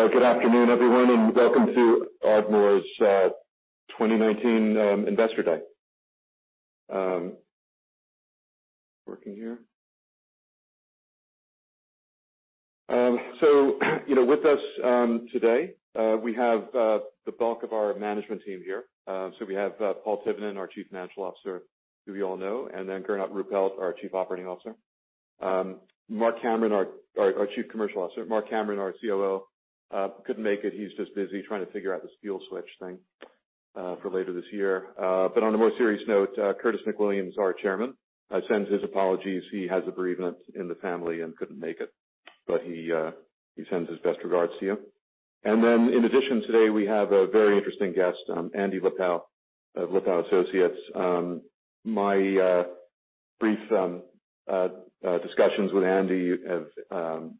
So, good afternoon, everyone, and welcome to Ardmore's 2019 Investor Day. Working here. So, you know, with us today, we have the bulk of our management team here. So we have Paul Tivnan, our Chief Financial Officer, who we all know, and then Gernot Ruppelt, our Chief Operating Officer. Mark Cameron, our Chief Commercial Officer. Mark Cameron, our COO, couldn't make it. He's just busy trying to figure out this fuel switch thing for later this year. But on a more serious note, Curtis McWilliams, our Chairman, sends his apologies. He has a bereavement in the family and couldn't make it, but he sends his best regards to you. And then in addition, today, we have a very interesting guest, Andrew Lipow of Lipow Associates. My brief discussions with Andrew have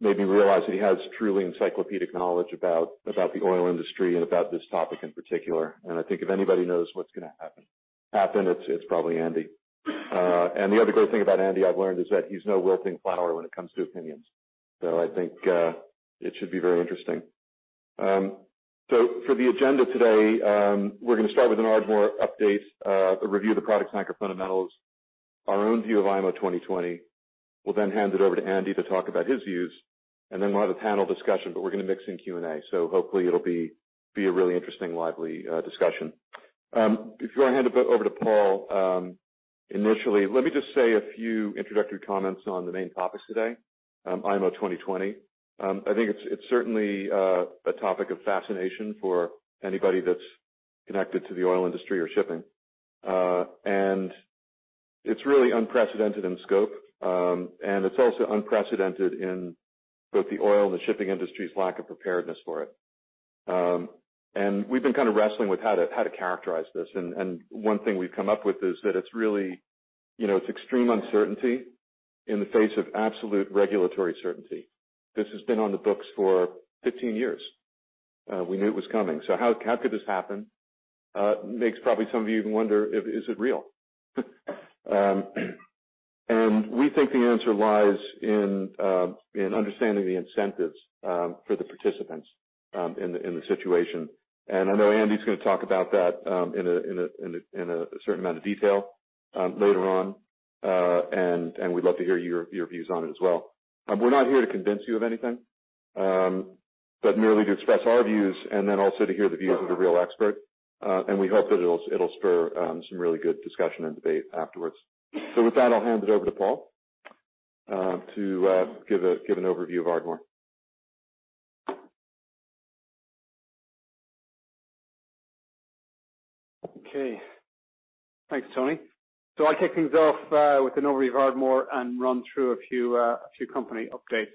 made me realize that he has truly encyclopedic knowledge about the oil industry and about this topic in particular. And I think if anybody knows what's gonna happen, it's probably Andrew. And the other great thing about Andrew I've learned is that he's no wilting flower when it comes to opinions. So I think it should be very interesting. So for the agenda today, we're gonna start with an Ardmore update, a review of the product's macro fundamentals, our own view of IMO 2020. We'll then hand it over to Andrew to talk about his views, and then we'll have a panel discussion, but we're gonna mix in Q and A. So hopefully, it'll be a really interesting, lively, discussion. Before I hand it over to Paul, initially, let me just say a few introductory comments on the main topics today, IMO 2020. I think it's, it's certainly a topic of fascination for anybody that's connected to the oil industry or shipping. And it's really unprecedented in scope, and it's also unprecedented in both the oil and the shipping industry's lack of preparedness for it. And we've been kinda wrestling with how to, how to characterize this. And, and one thing we've come up with is that it's really, you know, it's extreme uncertainty in the face of absolute regulatory certainty. This has been on the books for 15 years. We knew it was coming. So how, how could this happen? Makes probably some of you even wonder if, is it real? And we think the answer lies in understanding the incentives for the participants in the situation. And I know Andrew's gonna talk about that in a certain amount of detail later on, and we'd love to hear your views on it as well. We're not here to convince you of anything, but merely to express our views and then also to hear the views of the real expert. And we hope that it'll spur some really good discussion and debate afterwards. So with that, I'll hand it over to Paul to give an overview of Ardmore. Okay. Thanks, Tony. So I'll kick things off with an overview of Ardmore and run through a few, a few company updates.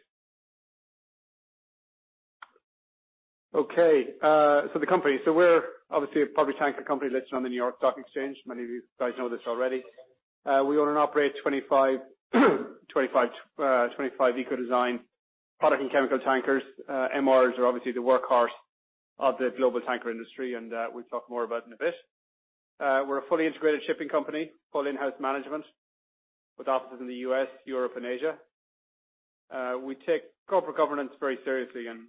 Okay. So the company. We're obviously a public tanker company listed on the New York Stock Exchange. Many of you guys know this already. We own and operate 25, 25, 25 Ecodesign product and chemical tankers. MRs are obviously the workhorse of the global tanker industry, and we'll talk more about it in a bit. We're a fully integrated shipping company with full in-house management with offices in the U.S., Europe, and Asia. We take corporate governance very seriously, and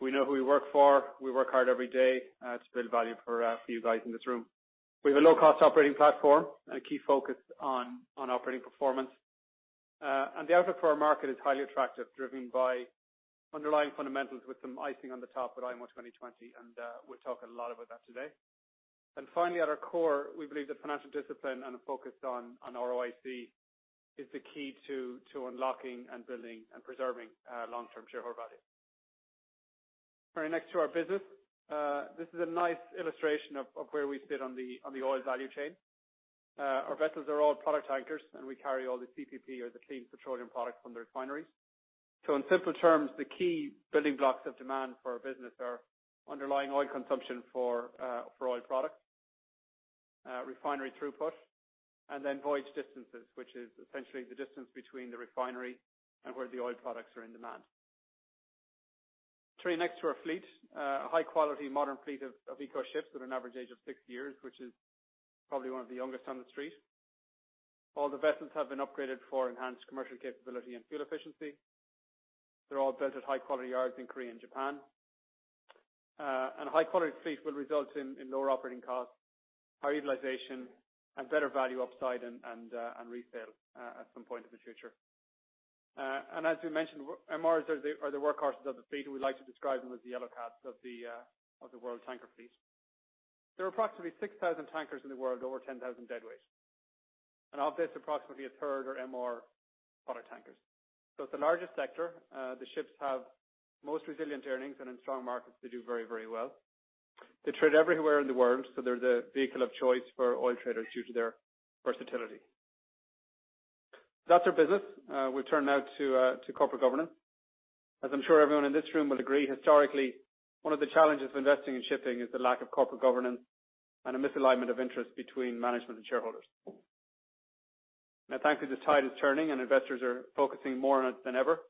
we know who we work for. We work hard every day to build value for, for you guys in this room. We have a low-cost operating platform and a key focus on, on operating performance. The outlook for our market is highly attractive, driven by underlying fundamentals with some icing on the top with IMO 2020, and we'll talk a lot about that today. Finally, at our core, we believe that financial discipline and a focus on ROIC is the key to unlocking and building and preserving long-term shareholder value. All right. Next to our business, this is a nice illustration of where we sit on the oil value chain. Our vessels are all product tankers, and we carry all the CPP or the clean petroleum products from the refineries. So in simple terms, the key building blocks of demand for our business are underlying oil consumption for oil products, refinery throughput, and then voyage distances, which is essentially the distance between the refinery and where the oil products are in demand. Turning next to our fleet, a high-quality, modern fleet of eco-ships with an average age of 6 years, which is probably one of the youngest on the street. All the vessels have been upgraded for enhanced commercial capability and fuel efficiency. They're all built at high-quality yards in Korea and Japan. A high-quality fleet will result in lower operating costs, higher utilization, and better value upside and resale at some point in the future. As we mentioned, our MRs are the workhorses of the fleet, and we like to describe them as the yellow cabs of the world tanker fleet. There are approximately 6,000 tankers in the world, over 10,000 deadweight. Of this, approximately a third are MR product tankers. So it's the largest sector. The ships have most resilient earnings and in strong markets to do very, very well. They trade everywhere in the world, so they're the vehicle of choice for oil traders due to their versatility. That's our business. We'll turn now to corporate governance. As I'm sure everyone in this room will agree, historically, one of the challenges of investing in shipping is the lack of corporate governance and a misalignment of interests between management and shareholders. Now, thankfully, the tide is turning, and investors are focusing more on it than ever.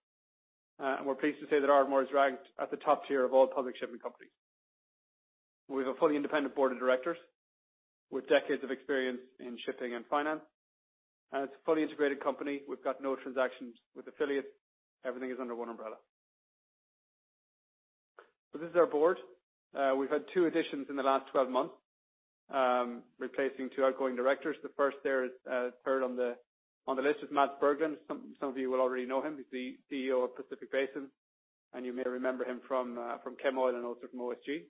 We're pleased to say that Ardmore is ranked at the top tier of all public shipping companies. We have a fully independent board of directors with decades of experience in shipping and finance. It's a fully integrated company. We've got no transactions with affiliates. Everything is under one umbrella. So this is our board. We've had two additions in the last 12 months, replacing two outgoing directors. The first there is, third on the list, is Mats Berglund. Some of you will already know him. He's the CEO of Pacific Basin, and you may remember him from Chemoil and also from OSG.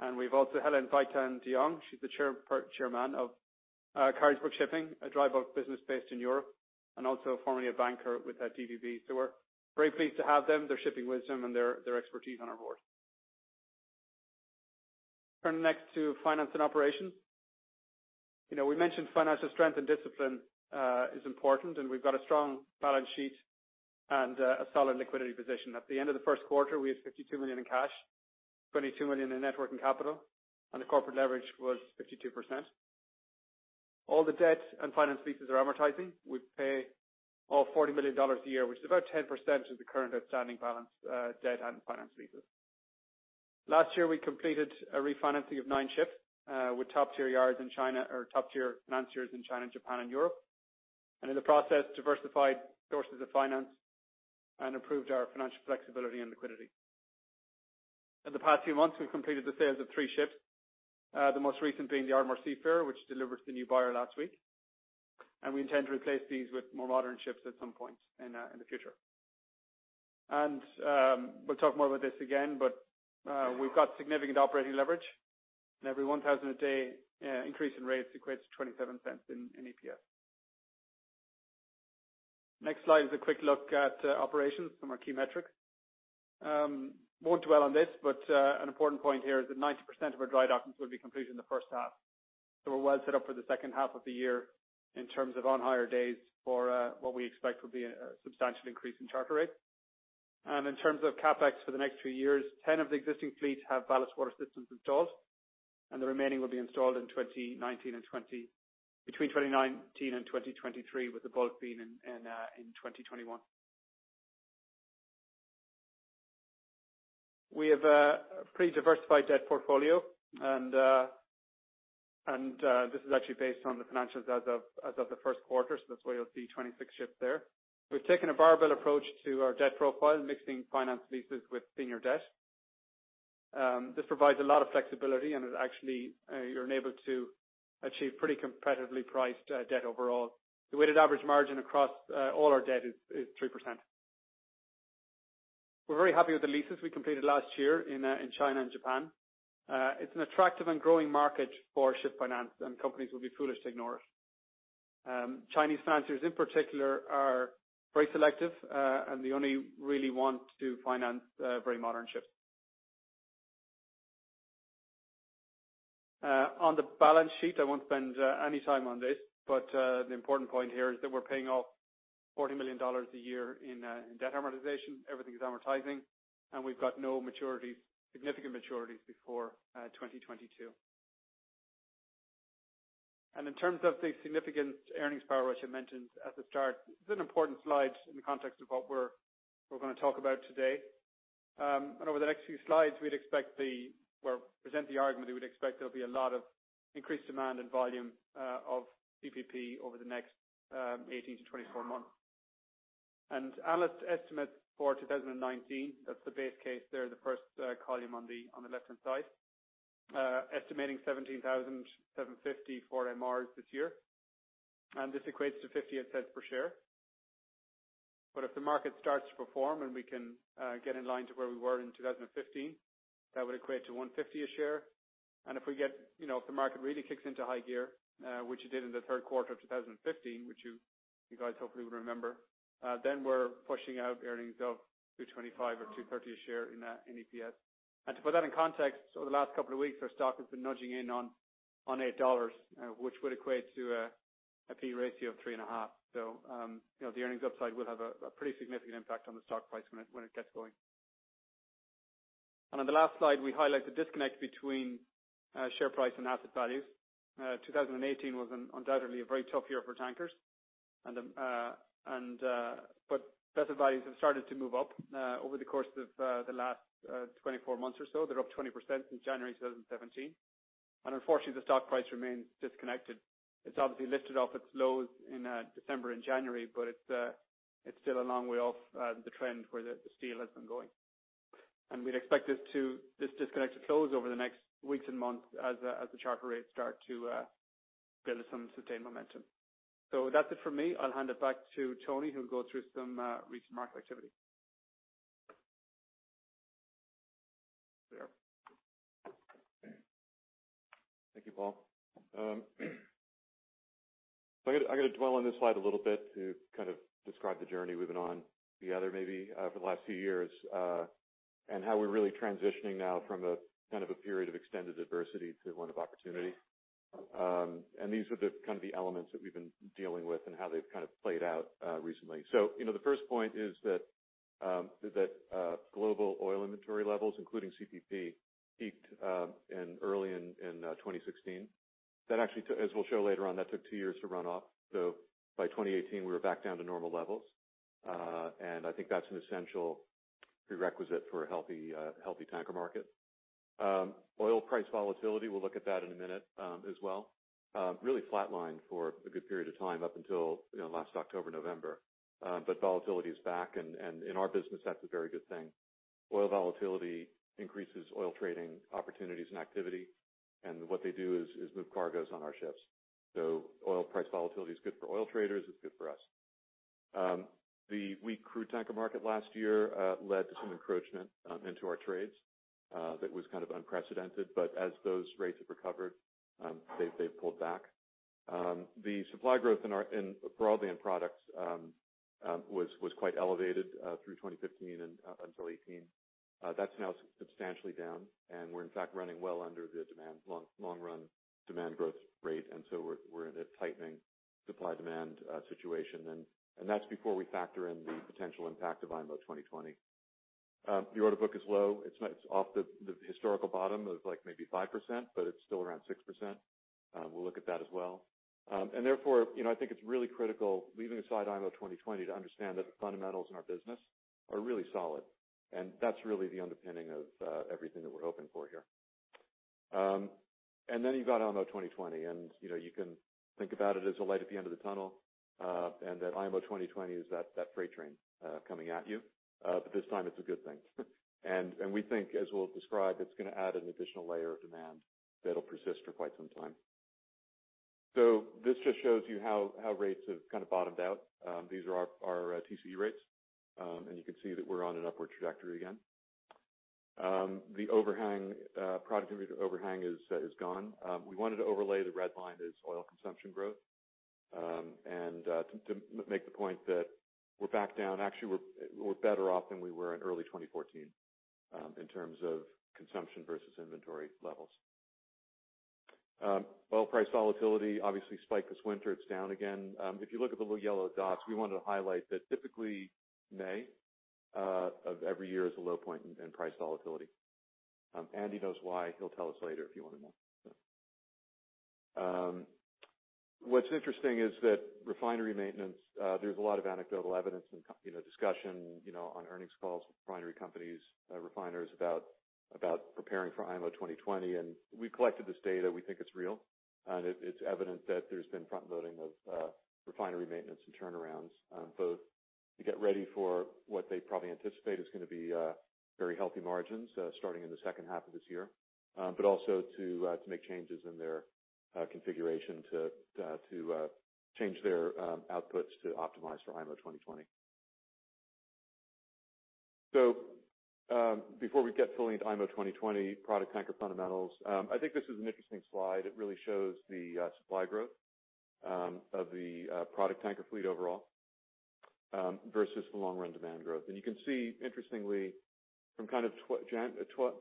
And we've also Helen Tveitan de Jong. She's the chairperson of Carisbrooke Shipping, a dry bulk business based in Europe and also formerly a banker with DVB Bank. So we're very pleased to have them. Their shipping wisdom and their expertise on our board. Turning next to finance and operations. You know, we mentioned financial strength and discipline is important, and we've got a strong balance sheet and a solid liquidity position. At the end of the Q1, we had $52 million in cash, $22 million in net working capital, and the corporate leverage was 52%. All the debt and finance leases are amortizing. We pay all $40 million a year, which is about 10% of the current outstanding balance, debt and finance leases. Last year, we completed a refinancing of 9 ships, with top-tier yards in China or top-tier financiers in China, Japan, and Europe, and in the process, diversified sources of finance and improved our financial flexibility and liquidity. In the past few months, we've completed the sales of 3 ships, the most recent being the Ardmore Seafair, which delivered to the new buyer last week. We intend to replace these with more modern ships at some point in the future. We'll talk more about this again, but we've got significant operating leverage, and every $1,000 a day increase in rates equates to $0.27 in EPS. Next slide is a quick look at operations, some of our key metrics. won't dwell on this, but an important point here is that 90% of our dry dockings will be completed in the first half. So we're well set up for the second half of the year in terms of on-hire days for what we expect will be a substantial increase in charter rates. And in terms of CapEx for the next few years, 10 of the existing fleet have ballast water systems installed, and the remaining will be installed in 2019 and 2020 between 2019 and 2023, with the bulk being in 2021. We have a pretty diversified debt portfolio, and this is actually based on the financials as of the Q1, so that's why you'll see 26 ships there. We've taken a barbell approach to our debt profile, mixing finance leases with senior debt. This provides a lot of flexibility, and it actually, you're enabled to achieve pretty competitively priced debt overall. The weighted average margin across all our debt is 3%. We're very happy with the leases we completed last year in China and Japan. It's an attractive and growing market for ship finance, and companies would be foolish to ignore it. Chinese financiers, in particular, are very selective, and they only really want to finance very modern ships. On the balance sheet, I won't spend any time on this, but the important point here is that we're paying off $40 million a year in debt amortization. Everything's amortizing, and we've got no significant maturities before 2022. And in terms of the significant earnings power, which I mentioned at the start, it's an important slide in the context of what we're gonna talk about today. Over the next few slides, we'd expect, well, to present the argument that we'd expect there'll be a lot of increased demand and volume of CPP over the next 18-24 months. Analyst estimates for 2019, that's the base case there, the first column on the left-hand side, estimating $17,750 for MRs this year. And this equates to $0.58 per share. But if the market starts to perform and we can get in line to where we were in 2015, that would equate to $1.50 per share. And if we get, you know, if the market really kicks into high gear, which it did in the Q3 of 2015, which you guys hopefully will remember, then we're pushing out earnings of $2.25-$2.30 per share in EPS. To put that in context, over the last couple of weeks, our stock has been nudging in on $8, which would equate to a P/E ratio of 3.5. So, you know, the earnings upside will have a pretty significant impact on the stock price when it gets going. On the last slide, we highlight the disconnect between share price and asset values. 2018 was undoubtedly a very tough year for tankers, but asset values have started to move up over the course of the last 24 months or so. They're up 20% since January 2017. Unfortunately, the stock price remains disconnected. It's obviously lifted off its lows in December and January, but it's still a long way off the trend where the steel has been going. We'd expect this disconnect to close over the next weeks and months as the charter rates start to build some sustained momentum. So that's it for me. I'll hand it back to Tony, who'll go through some recent market activity. Thank you, Paul. So I got to dwell on this slide a little bit to kind of describe the journey we've been on together maybe, for the last few years, and how we're really transitioning now from a kind of a period of extended adversity to one of opportunity. And these are the kind of the elements that we've been dealing with and how they've kind of played out, recently. So, you know, the first point is that global oil inventory levels, including CPP, peaked in early 2016. That actually took, as we'll show later on, two years to run off. So by 2018, we were back down to normal levels. And I think that's an essential prerequisite for a healthy tanker market. Oil price volatility, we'll look at that in a minute, as well, really flatlined for a good period of time up until, you know, last October, November. But volatility is back, and, and in our business, that's a very good thing. Oil volatility increases oil trading opportunities and activity, and what they do is, is move cargoes on our ships. So oil price volatility is good for oil traders. It's good for us. The weak crude tanker market last year led to some encroachment into our trades that was kind of unprecedented. But as those rates have recovered, they've, they've pulled back. The supply growth in our, in broadly in products, was, was quite elevated, through 2015 and until 2018. That's now substantially down, and we're, in fact, running well under the demand long, long-run demand growth rate. And so we're, we're in a tightening supply-demand situation. That's before we factor in the potential impact of IMO 2020. The order book is low. It's not off the historical bottom of, like, maybe 5%, but it's still around 6%. We'll look at that as well. Therefore, you know, I think it's really critical, leaving aside IMO 2020, to understand that the fundamentals in our business are really solid. That's really the underpinning of everything that we're hoping for here. You've got IMO 2020, and, you know, you can think about it as a light at the end of the tunnel, and that IMO 2020 is that freight train coming at you. But this time, it's a good thing. We think, as we'll describe, it's gonna add an additional layer of demand that'll persist for quite some time. So this just shows you how rates have kind of bottomed out. These are our TCE rates. And you can see that we're on an upward trajectory again. The overhang, product overhang is gone. We wanted to overlay the red line as oil consumption growth, and to make the point that we're back down. Actually, we're better off than we were in early 2014, in terms of consumption versus inventory levels. Oil price volatility obviously spiked this winter. It's down again. If you look at the little yellow dots, we wanted to highlight that typically, May of every year is a low point in price volatility. Andrew knows why. He'll tell us later if you want to know. What's interesting is that refinery maintenance, there's a lot of anecdotal evidence and, you know, discussion, you know, on earnings calls with refinery companies, refiners about preparing for IMO 2020. And we've collected this data. We think it's real. And it, it's evident that there's been frontloading of refinery maintenance and turnarounds, both to get ready for what they probably anticipate is gonna be very healthy margins, starting in the second half of this year, but also to make changes in their configuration to change their outputs to optimize for IMO 2020. So, before we get fully into IMO 2020, product tanker fundamentals, I think this is an interesting slide. It really shows the supply growth of the product tanker fleet overall, versus the long-run demand growth. You can see, interestingly, from kind of 2Q 2012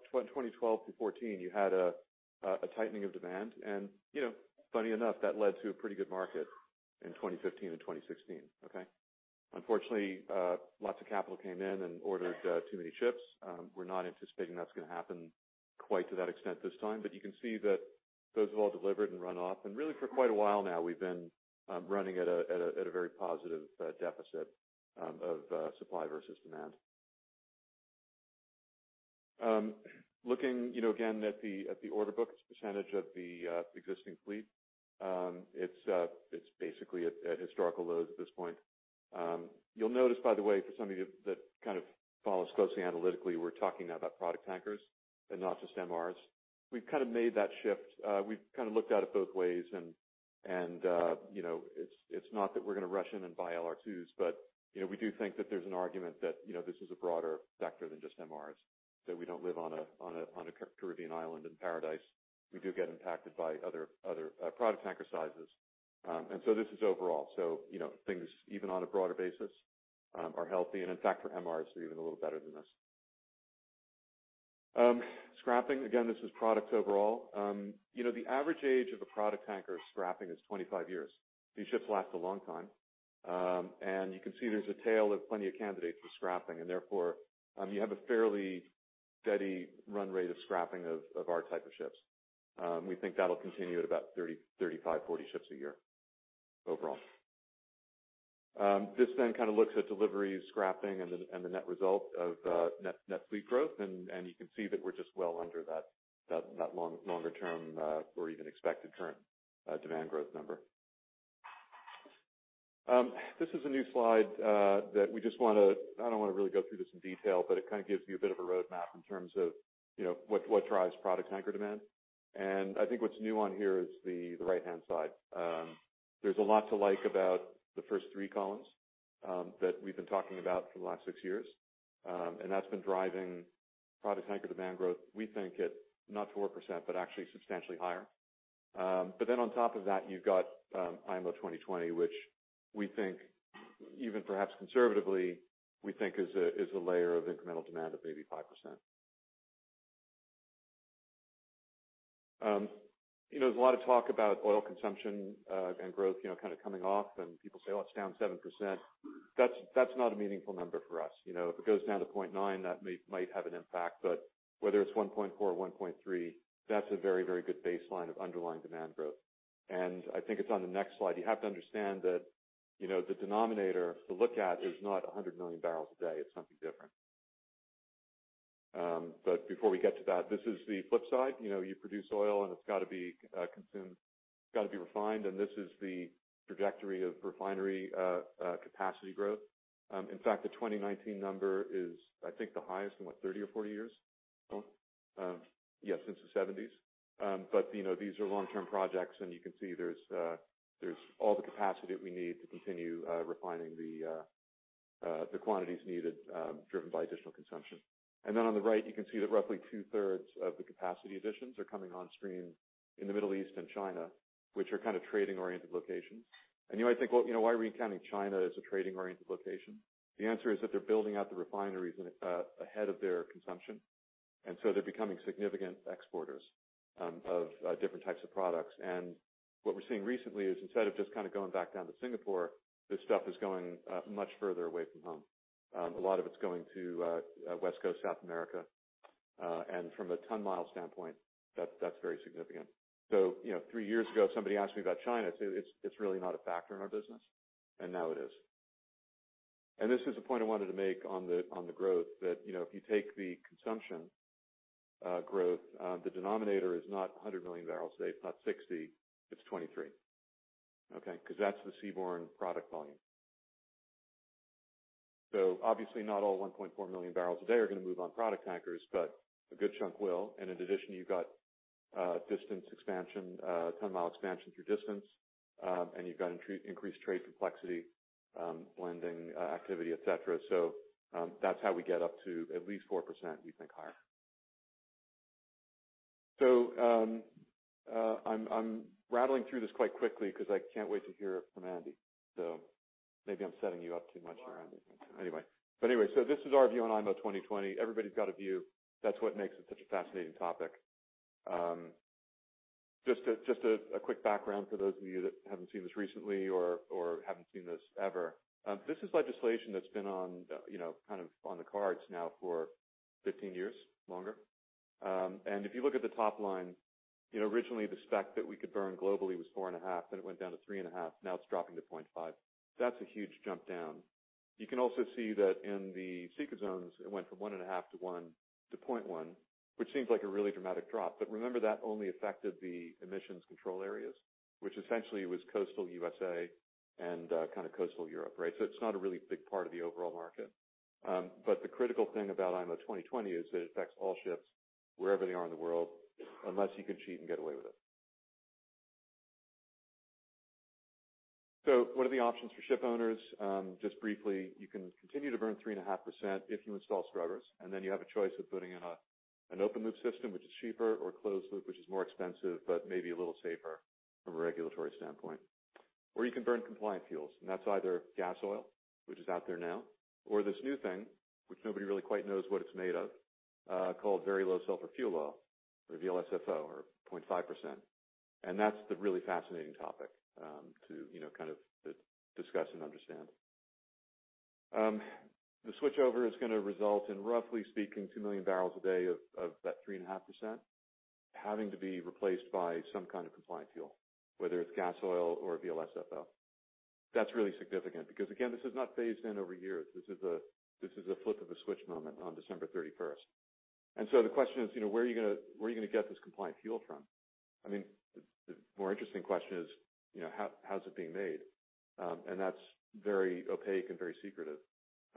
to 2014, you had a tightening of demand. You know, funny enough, that led to a pretty good market in 2015 and 2016, okay? Unfortunately, lots of capital came in and ordered too many ships. We're not anticipating that's gonna happen quite to that extent this time. But you can see that those have all delivered and run off. Really, for quite a while now, we've been running at a very positive deficit of supply versus demand. Looking, you know, again at the order book percentage of the existing fleet, it's basically at historical lows at this point. You'll notice, by the way, for some of you that kind of follow us closely analytically, we're talking now about product tankers and not just MRs. We've kind of made that shift. We've kind of looked at it both ways, and, you know, it's not that we're gonna rush in and buy LR2s, but, you know, we do think that there's an argument that, you know, this is a broader factor than just MRs, that we don't live on a Caribbean island in paradise. We do get impacted by other product tanker sizes. And so this is overall. So, you know, things, even on a broader basis, are healthy. And in fact, for MRs, they're even a little better than this. Scrapping, again, this is product overall. You know, the average age of a product tanker scrapping is 25 years. These ships last a long time. And you can see there's a tail of plenty of candidates for scrapping. And therefore, you have a fairly steady run rate of scrapping of our type of ships. We think that'll continue at about 30, 35, 40 ships a year overall. This then kind of looks at deliveries, scrapping, and the net result of net fleet growth. And you can see that we're just well under that longer-term, or even expected current, demand growth number. This is a new slide that we just—I don't wanna—really go through this in detail, but it kind of gives you a bit of a roadmap in terms of, you know, what drives product tanker demand. And I think what's new on here is the right-hand side. There's a lot to like about the first three columns that we've been talking about for the last 6 years. That's been driving product tanker demand growth, we think, at not 4% but actually substantially higher. But then on top of that, you've got IMO 2020, which we think, even perhaps conservatively, we think is a layer of incremental demand of maybe 5%. You know, there's a lot of talk about oil consumption and growth, you know, kind of coming off, and people say, "Oh, it's down 7%." That's not a meaningful number for us. You know, if it goes down to 0.9, that may might have an impact. But whether it's 1.4 or 1.3, that's a very, very good baseline of underlying demand growth. And I think it's on the next slide. You have to understand that, you know, the denominator to look at is not 100 million barrels a day. It's something different. But before we get to that, this is the flip side. You know, you produce oil, and it's gotta be consumed, gotta be refined. This is the trajectory of refinery capacity growth. In fact, the 2019 number is, I think, the highest in what, 30 or 40 years? Yeah, since the 1970s. But you know, these are long-term projects, and you can see there's all the capacity that we need to continue refining the quantities needed, driven by additional consumption. Then on the right, you can see that roughly two-thirds of the capacity additions are coming on screen in the Middle East and China, which are kind of trading-oriented locations. You might think, "Well, you know, why are we counting China as a trading-oriented location?" The answer is that they're building out the refineries ahead of their consumption. So they're becoming significant exporters of different types of products. What we're seeing recently is, instead of just kind of going back down to Singapore, this stuff is going much further away from home. A lot of it's going to West Coast, South America. And from a ton-mile standpoint, that's very significant. So, you know, three years ago, if somebody asked me about China, I'd say it's really not a factor in our business. And now it is. And this is a point I wanted to make on the growth, that, you know, if you take the consumption growth, the denominator is not 100 million barrels a day. It's not 60. It's 23, okay? 'Cause that's the seaborne product volume. So obviously, not all 1.4 million barrels a day are gonna move on product tankers, but a good chunk will. And in addition, you've got distance expansion, ton-mile expansion through distance, and you've got increased trade complexity, blending, activity, etc. So, that's how we get up to at least 4%, we think, higher. So, I'm rattling through this quite quickly 'cause I can't wait to hear it from Andrew. So maybe I'm setting you up too much here, Andrew. Anyway, but anyway, so this is our view on IMO 2020. Everybody's got a view. That's what makes it such a fascinating topic. A quick background for those of you that haven't seen this recently or haven't seen this ever. This is legislation that's been on, you know, kind of on the cards now for 15 years, longer. And if you look at the top line, you know, originally, the spec that we could burn globally was 4.5%, then it went down to 3.5%. Now it's dropping to 0.5. That's a huge jump down. You can also see that in the ECA zones, it went from 1.5 to 1 to 0.1, which seems like a really dramatic drop. But remember, that only affected the emissions control areas, which essentially was coastal USA and, kind of coastal Europe, right? So it's not a really big part of the overall market. But the critical thing about IMO 2020 is that it affects all ships wherever they are in the world unless you can cheat and get away with it. So what are the options for shipowners? Just briefly, you can continue to burn 3.5% if you install scrubbers. And then you have a choice of putting in an open-loop system, which is cheaper, or a closed-loop, which is more expensive but maybe a little safer from a regulatory standpoint. Or you can burn compliant fuels. And that's either gasoil, which is out there now, or this new thing, which nobody really quite knows what it's made of, called very low sulfur fuel oil, or VLSFO, or 0.5%. And that's the really fascinating topic, to, you know, kind of discuss and understand. The switchover is gonna result in, roughly speaking, 2 million barrels a day of that 3.5% having to be replaced by some kind of compliant fuel, whether it's gasoil or VLSFO. That's really significant because, again, this is not phased in over years. This is a flip of a switch moment on December 31st. And so the question is, you know, where are you gonna get this compliant fuel from? I mean, the more interesting question is, you know, how's it being made? And that's very opaque and very secretive,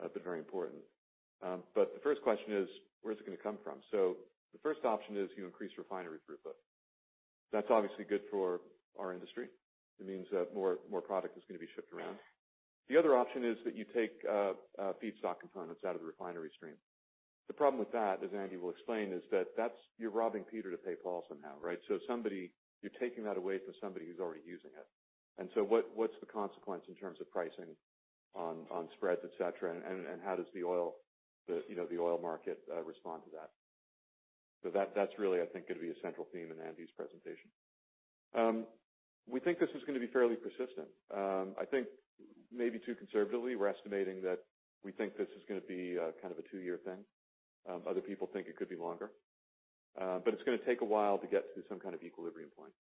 but very important. But the first question is, where's it gonna come from? So the first option is you increase refinery throughput. That's obviously good for our industry. It means that more, more product is gonna be shipped around. The other option is that you take feedstock components out of the refinery stream. The problem with that, as Andrew will explain, is that that's you're robbing Peter to pay Paul somehow, right? So somebody you're taking that away from somebody who's already using it. And so what's the consequence in terms of pricing on, on spreads, etc.? And how does the, you know, the oil market respond to that? So that's really, I think, gonna be a central theme in Andrew's presentation. We think this is gonna be fairly persistent. I think maybe too conservatively. We're estimating that we think this is gonna be, kind of a two-year thing. Other people think it could be longer. But it's gonna take a while to get to some kind of equilibrium point.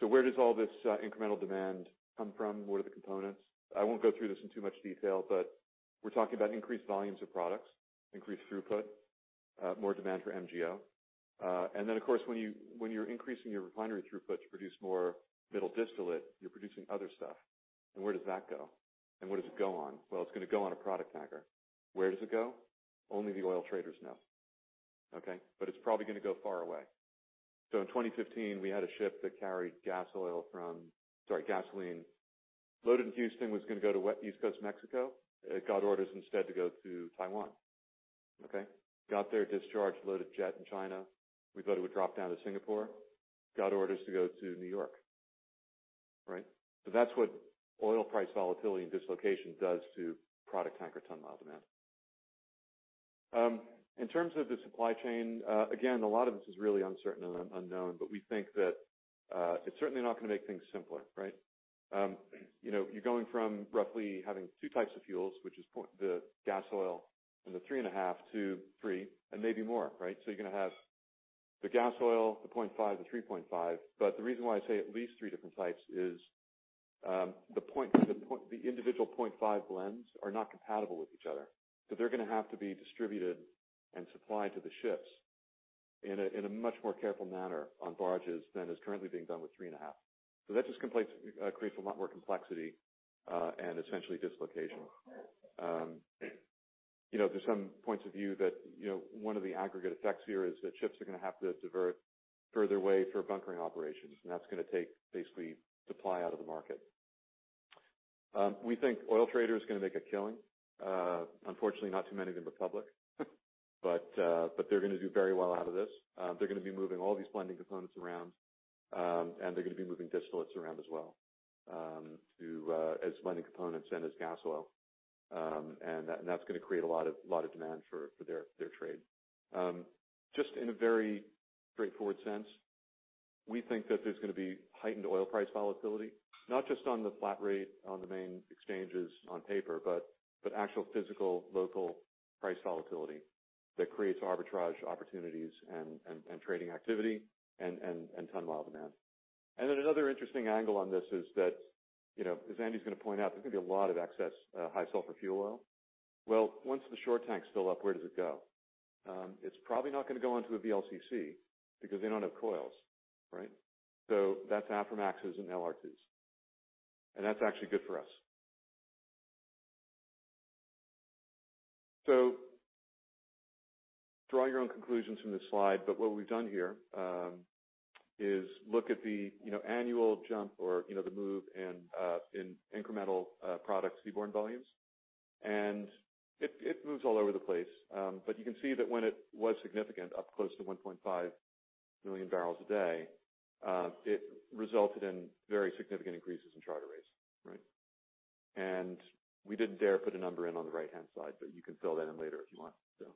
So where does all this, incremental demand come from? What are the components? I won't go through this in too much detail, but we're talking about increased volumes of products, increased throughput, more demand for MGO. And then, of course, when you when you're increasing your refinery throughput to produce more middle distillate, you're producing other stuff. And where does that go? And what does it go on? Well, it's gonna go on a product tanker. Where does it go? Only the oil traders know, okay? But it's probably gonna go far away. So in 2015, we had a ship that carried gasoil from sorry, gasoline. Loaded in Houston was gonna go to East Coast, Mexico. It got orders instead to go to Taiwan, okay? Got there, discharged, loaded jet in China. We thought it would drop down to Singapore. Got orders to go to New York, right? So that's what oil price volatility and dislocation does to product tanker ton-mile demand. In terms of the supply chain, again, a lot of this is really uncertain and unknown, but we think that, it's certainly not gonna make things simpler, right? You know, you're going from roughly having two types of fuels, which is 0.1 gasoil and the 3.5-3 and maybe more, right? So you're gonna have the gasoil, the 0.5, the 3.5. But the reason why I say at least three different types is, the 0.1, the individual 0.5 blends are not compatible with each other. So they're gonna have to be distributed and supplied to the ships in a much more careful manner on barges than is currently being done with 3.5. So that just compliance creates a lot more complexity, and essentially dislocation. You know, there's some points of view that, you know, one of the aggregate effects here is that ships are gonna have to divert further away for bunkering operations. And that's gonna take basically supply out of the market. We think oil traders are gonna make a killing. Unfortunately, not too many of them are public. But they're gonna do very well out of this. They're gonna be moving all these blending components around, and they're gonna be moving distillates around as well, to as blending components and as gasoil. And that's gonna create a lot of demand for their trade. Just in a very straightforward sense, we think that there's gonna be heightened oil price volatility, not just on the flat rate on the main exchanges on paper, but actual physical local price volatility that creates arbitrage opportunities and trading activity and ton-mile demand. And then another interesting angle on this is that, you know, as Andrew's gonna point out, there's gonna be a lot of excess, high-sulfur fuel oil. Well, once the shore tank's filled up, where does it go? It's probably not gonna go onto a VLCC because they don't have coils, right? So that's Aframaxes and LR2s. And that's actually good for us. So draw your own conclusions from this slide. But what we've done here is look at the, you know, annual jump or, you know, the move in incremental product seaborne volumes. It moves all over the place. But you can see that when it was significant, up close to 1.5 million barrels a day, it resulted in very significant increases in charter rates, right? And we didn't dare put a number in on the right-hand side, but you can fill that in later if you want, so.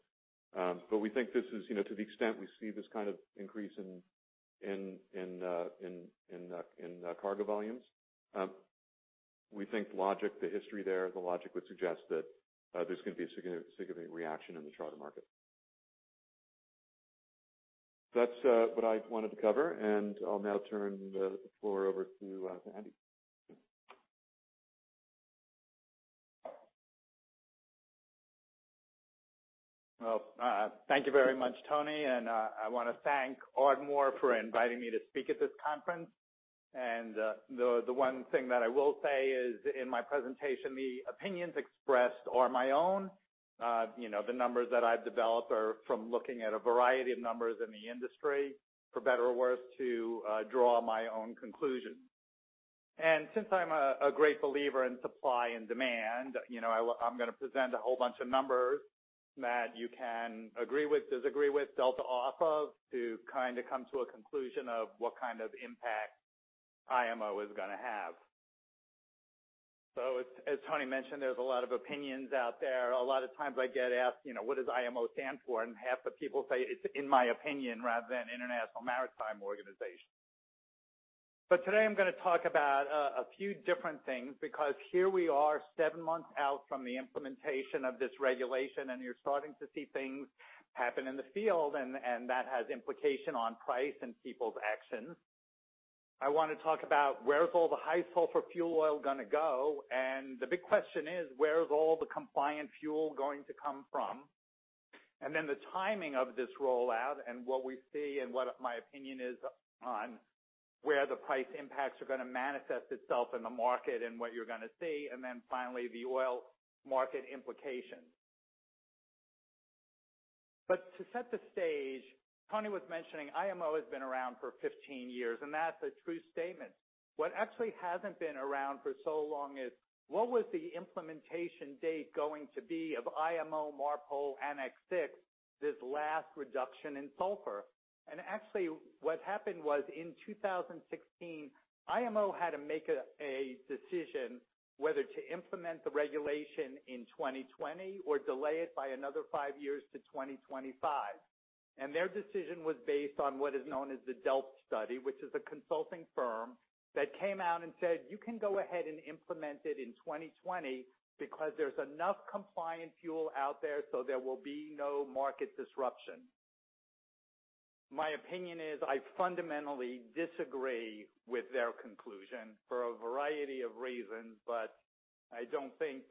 But we think this is, you know, to the extent we see this kind of increase in cargo volumes, we think logic, the history there, the logic would suggest that, there's gonna be a significant, significant reaction in the charter market. That's what I wanted to cover. And I'll now turn the floor over to Andrew. Well, thank you very much, Tony. I wanna thank Ardmore for inviting me to speak at this conference. The one thing that I will say is, in my presentation, the opinions expressed are my own. You know, the numbers that I've developed are from looking at a variety of numbers in the industry, for better or worse, to draw my own conclusions. Since I'm a great believer in supply and demand, you know, I'm gonna present a whole bunch of numbers that you can agree with, disagree with, delta off of to kinda come to a conclusion of what kind of impact IMO is gonna have. So, as Tony mentioned, there's a lot of opinions out there. A lot of times, I get asked, you know, what does IMO stand for? Half the people say, "It's in my opinion," rather than, "International Maritime Organization." But today, I'm gonna talk about a few different things because here we are, seven months out from the implementation of this regulation, and you're starting to see things happen in the field, and that has implication on price and people's actions. I wanna talk about where's all the high-sulfur fuel oil gonna go? And the big question is, where's all the compliant fuel going to come from? And then the timing of this rollout and what we see and what my opinion is on where the price impacts are gonna manifest itself in the market and what you're gonna see, and then finally, the oil market implications. But to set the stage, Tony was mentioning IMO has been around for 15 years. That's a true statement. What actually hasn't been around for so long is, what was the implementation date going to be of IMO, MARPOL, Annex VI, this last reduction in sulfur? Actually, what happened was, in 2016, IMO had to make a, a decision whether to implement the regulation in 2020 or delay it by another five years to 2025. Their decision was based on what is known as the CE Delft study, which is a consulting firm that came out and said, "You can go ahead and implement it in 2020 because there's enough compliant fuel out there, so there will be no market disruption." My opinion is, I fundamentally disagree with their conclusion for a variety of reasons, but I don't think,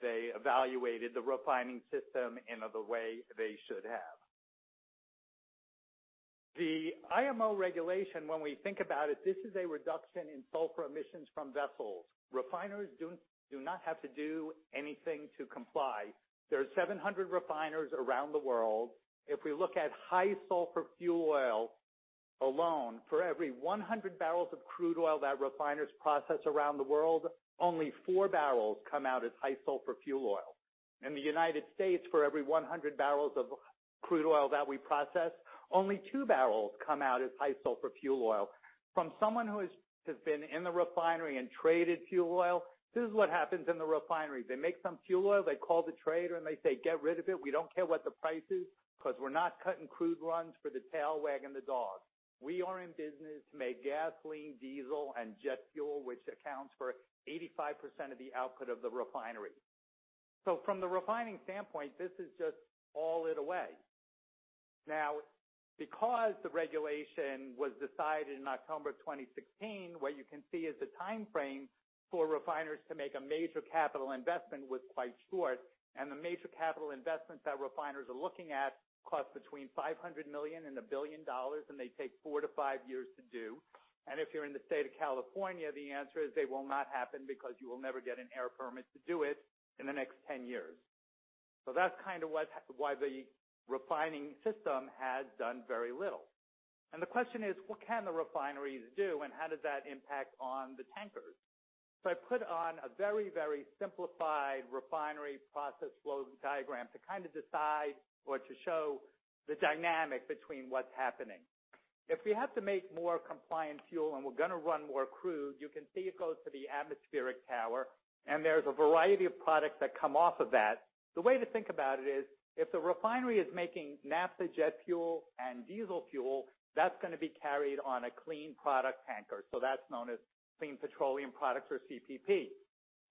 they evaluated the refining system in the way they should have. The IMO regulation, when we think about it, this is a reduction in sulfur emissions from vessels. Refiners do not have to do anything to comply. There are 700 refiners around the world. If we look at high-sulfur fuel oil alone, for every 100 barrels of crude oil that refiners process around the world, only 4 barrels come out as high-sulfur fuel oil. In the United States, for every 100 barrels of crude oil that we process, only 2 barrels come out as high-sulfur fuel oil. From someone who has been in the refinery and traded fuel oil, this is what happens in the refinery. They make some fuel oil. They call the trader, and they say, "Get rid of it. We don't care what the price is 'cause we're not cutting crude runs for the tail wagging of the dog. We are in business to make gasoline, diesel, and jet fuel, which accounts for 85% of the output of the refinery." So from the refining standpoint, this is just all it away. Now, because the regulation was decided in October of 2016, what you can see is the timeframe for refiners to make a major capital investment was quite short. The major capital investments that refiners are looking at cost between $500 million and $1 billion, and they take 4-5 years to do. And if you're in the state of California, the answer is, they will not happen because you will never get an air permit to do it in the next 10 years. So that's kinda what, why the refining system has done very little. The question is, what can the refineries do? And how does that impact on the tankers? So I put on a very, very simplified refinery process flow diagram to kinda decide or to show the dynamic between what's happening. If we have to make more compliant fuel and we're gonna run more crude, you can see it goes to the atmospheric tower, and there's a variety of products that come off of that. The way to think about it is, if the refinery is making naphtha jet fuel and diesel fuel, that's gonna be carried on a clean product tanker. So that's known as clean petroleum products, or CPP.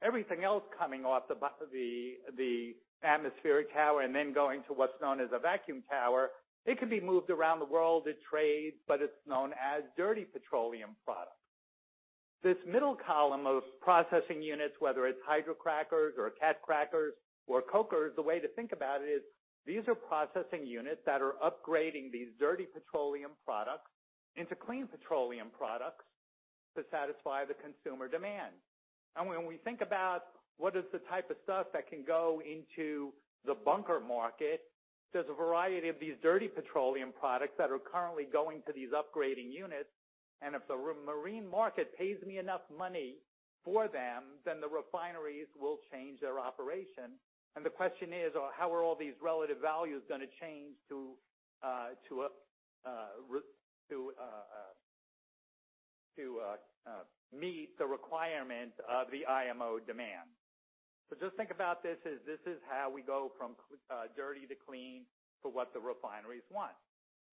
Everything else coming off the atmospheric tower and then going to what's known as a vacuum tower, it can be moved around the world. It trades, but it's known as dirty petroleum products. This middle column of processing units, whether it's hydrocrackers or cat crackers or cokers, the way to think about it is, these are processing units that are upgrading these dirty petroleum products into clean petroleum products to satisfy the consumer demand. And when we think about what is the type of stuff that can go into the bunker market, there's a variety of these dirty petroleum products that are currently going to these upgrading units. And if the marine market pays me enough money for them, then the refineries will change their operation. And the question is, how are all these relative values gonna change to meet the requirement of the IMO demand? So just think about this as this is how we go from dirty to clean for what the refineries want.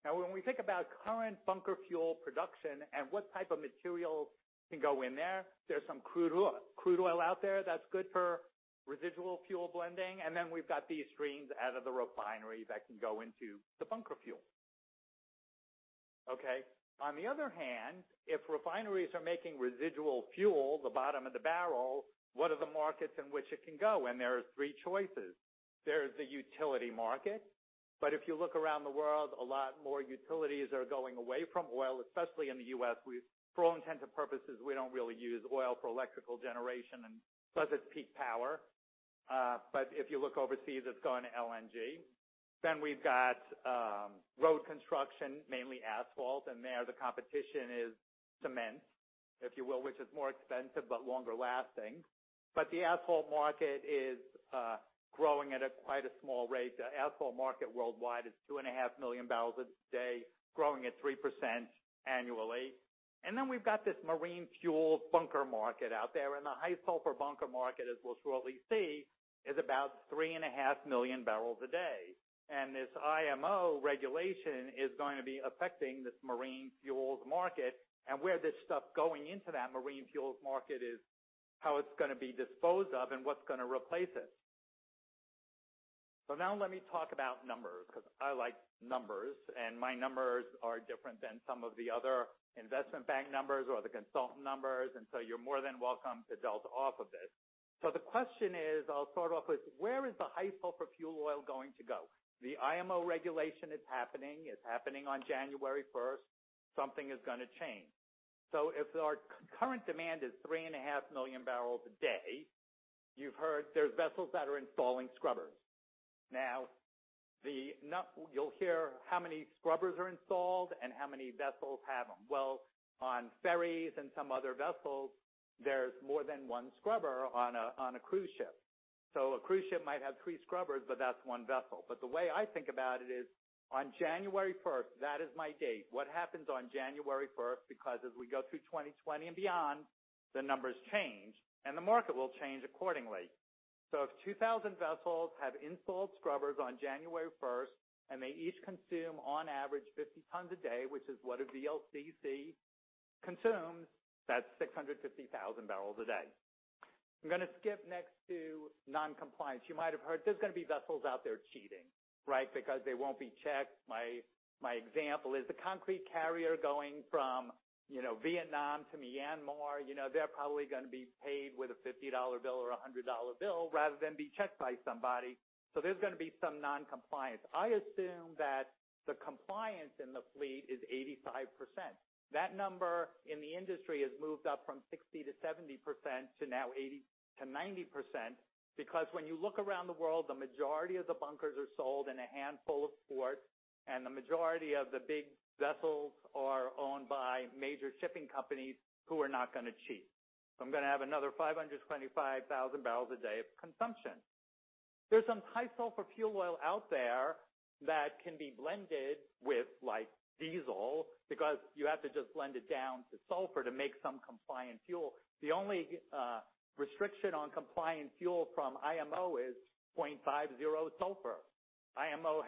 Now, when we think about current bunker fuel production and what type of materials can go in there, there's some crude oil crude oil out there that's good for residual fuel blending. And then we've got these streams out of the refinery that can go into the bunker fuel, okay? On the other hand, if refineries are making residual fuel, the bottom of the barrel, what are the markets in which it can go? There's three choices. There's the utility market. But if you look around the world, a lot more utilities are going away from oil, especially in the U.S. We, for all intents and purposes, we don't really use oil for electrical generation, and does it peak power? But if you look overseas, it's gone to LNG. We've got road construction, mainly asphalt. And there, the competition is cement, if you will, which is more expensive but longer lasting. But the asphalt market is growing at quite a small rate. The asphalt market worldwide is 2.5 million barrels a day, growing at 3% annually. And then we've got this marine fuel bunker market out there. And the high-sulfur bunker market, as we'll shortly see, is about 3.5 million barrels a day. And this IMO regulation is going to be affecting this marine fuels market. And where this stuff going into that marine fuels market is, how it's gonna be disposed of, and what's gonna replace it. So now, let me talk about numbers 'cause I like numbers. And my numbers are different than some of the other investment bank numbers or the consultant numbers. And so you're more than welcome to delta off of this. So the question is, I'll start off with, where is the high-sulfur fuel oil going to go? The IMO regulation is happening. It's happening on January 1st. Something is gonna change. So if our current demand is 3.5 million barrels a day, you've heard there's vessels that are installing scrubbers. Now, then you'll hear how many scrubbers are installed and how many vessels have them. Well, on ferries and some other vessels, there's more than one scrubber on a cruise ship. So a cruise ship might have 3 scrubbers, but that's one vessel. But the way I think about it is, on January 1st, that is my date. What happens on January 1st? Because as we go through 2020 and beyond, the numbers change, and the market will change accordingly. So if 2,000 vessels have installed scrubbers on January 1st, and they each consume, on average, 50 tons a day, which is what a VLCC consumes, that's 650,000 barrels a day. I'm gonna skip next to noncompliance. You might have heard, "There's gonna be vessels out there cheating," right, because they won't be checked. My example is the concrete carrier going from, you know, Vietnam to Myanmar. You know, they're probably gonna be paid with a $50 bill or a $100 bill rather than be checked by somebody. So there's gonna be some noncompliance. I assume that the compliance in the fleet is 85%. That number in the industry has moved up from 60%-70% to now 80%-90% because when you look around the world, the majority of the bunkers are sold in a handful of ports, and the majority of the big vessels are owned by major shipping companies who are not gonna cheat. So I'm gonna have another 525,000 barrels a day of consumption. There's some high-sulfur fuel oil out there that can be blended with, like, diesel because you have to just blend it down to sulfur to make some compliant fuel. The only restriction on compliant fuel from IMO is 0.50 sulfur. IMO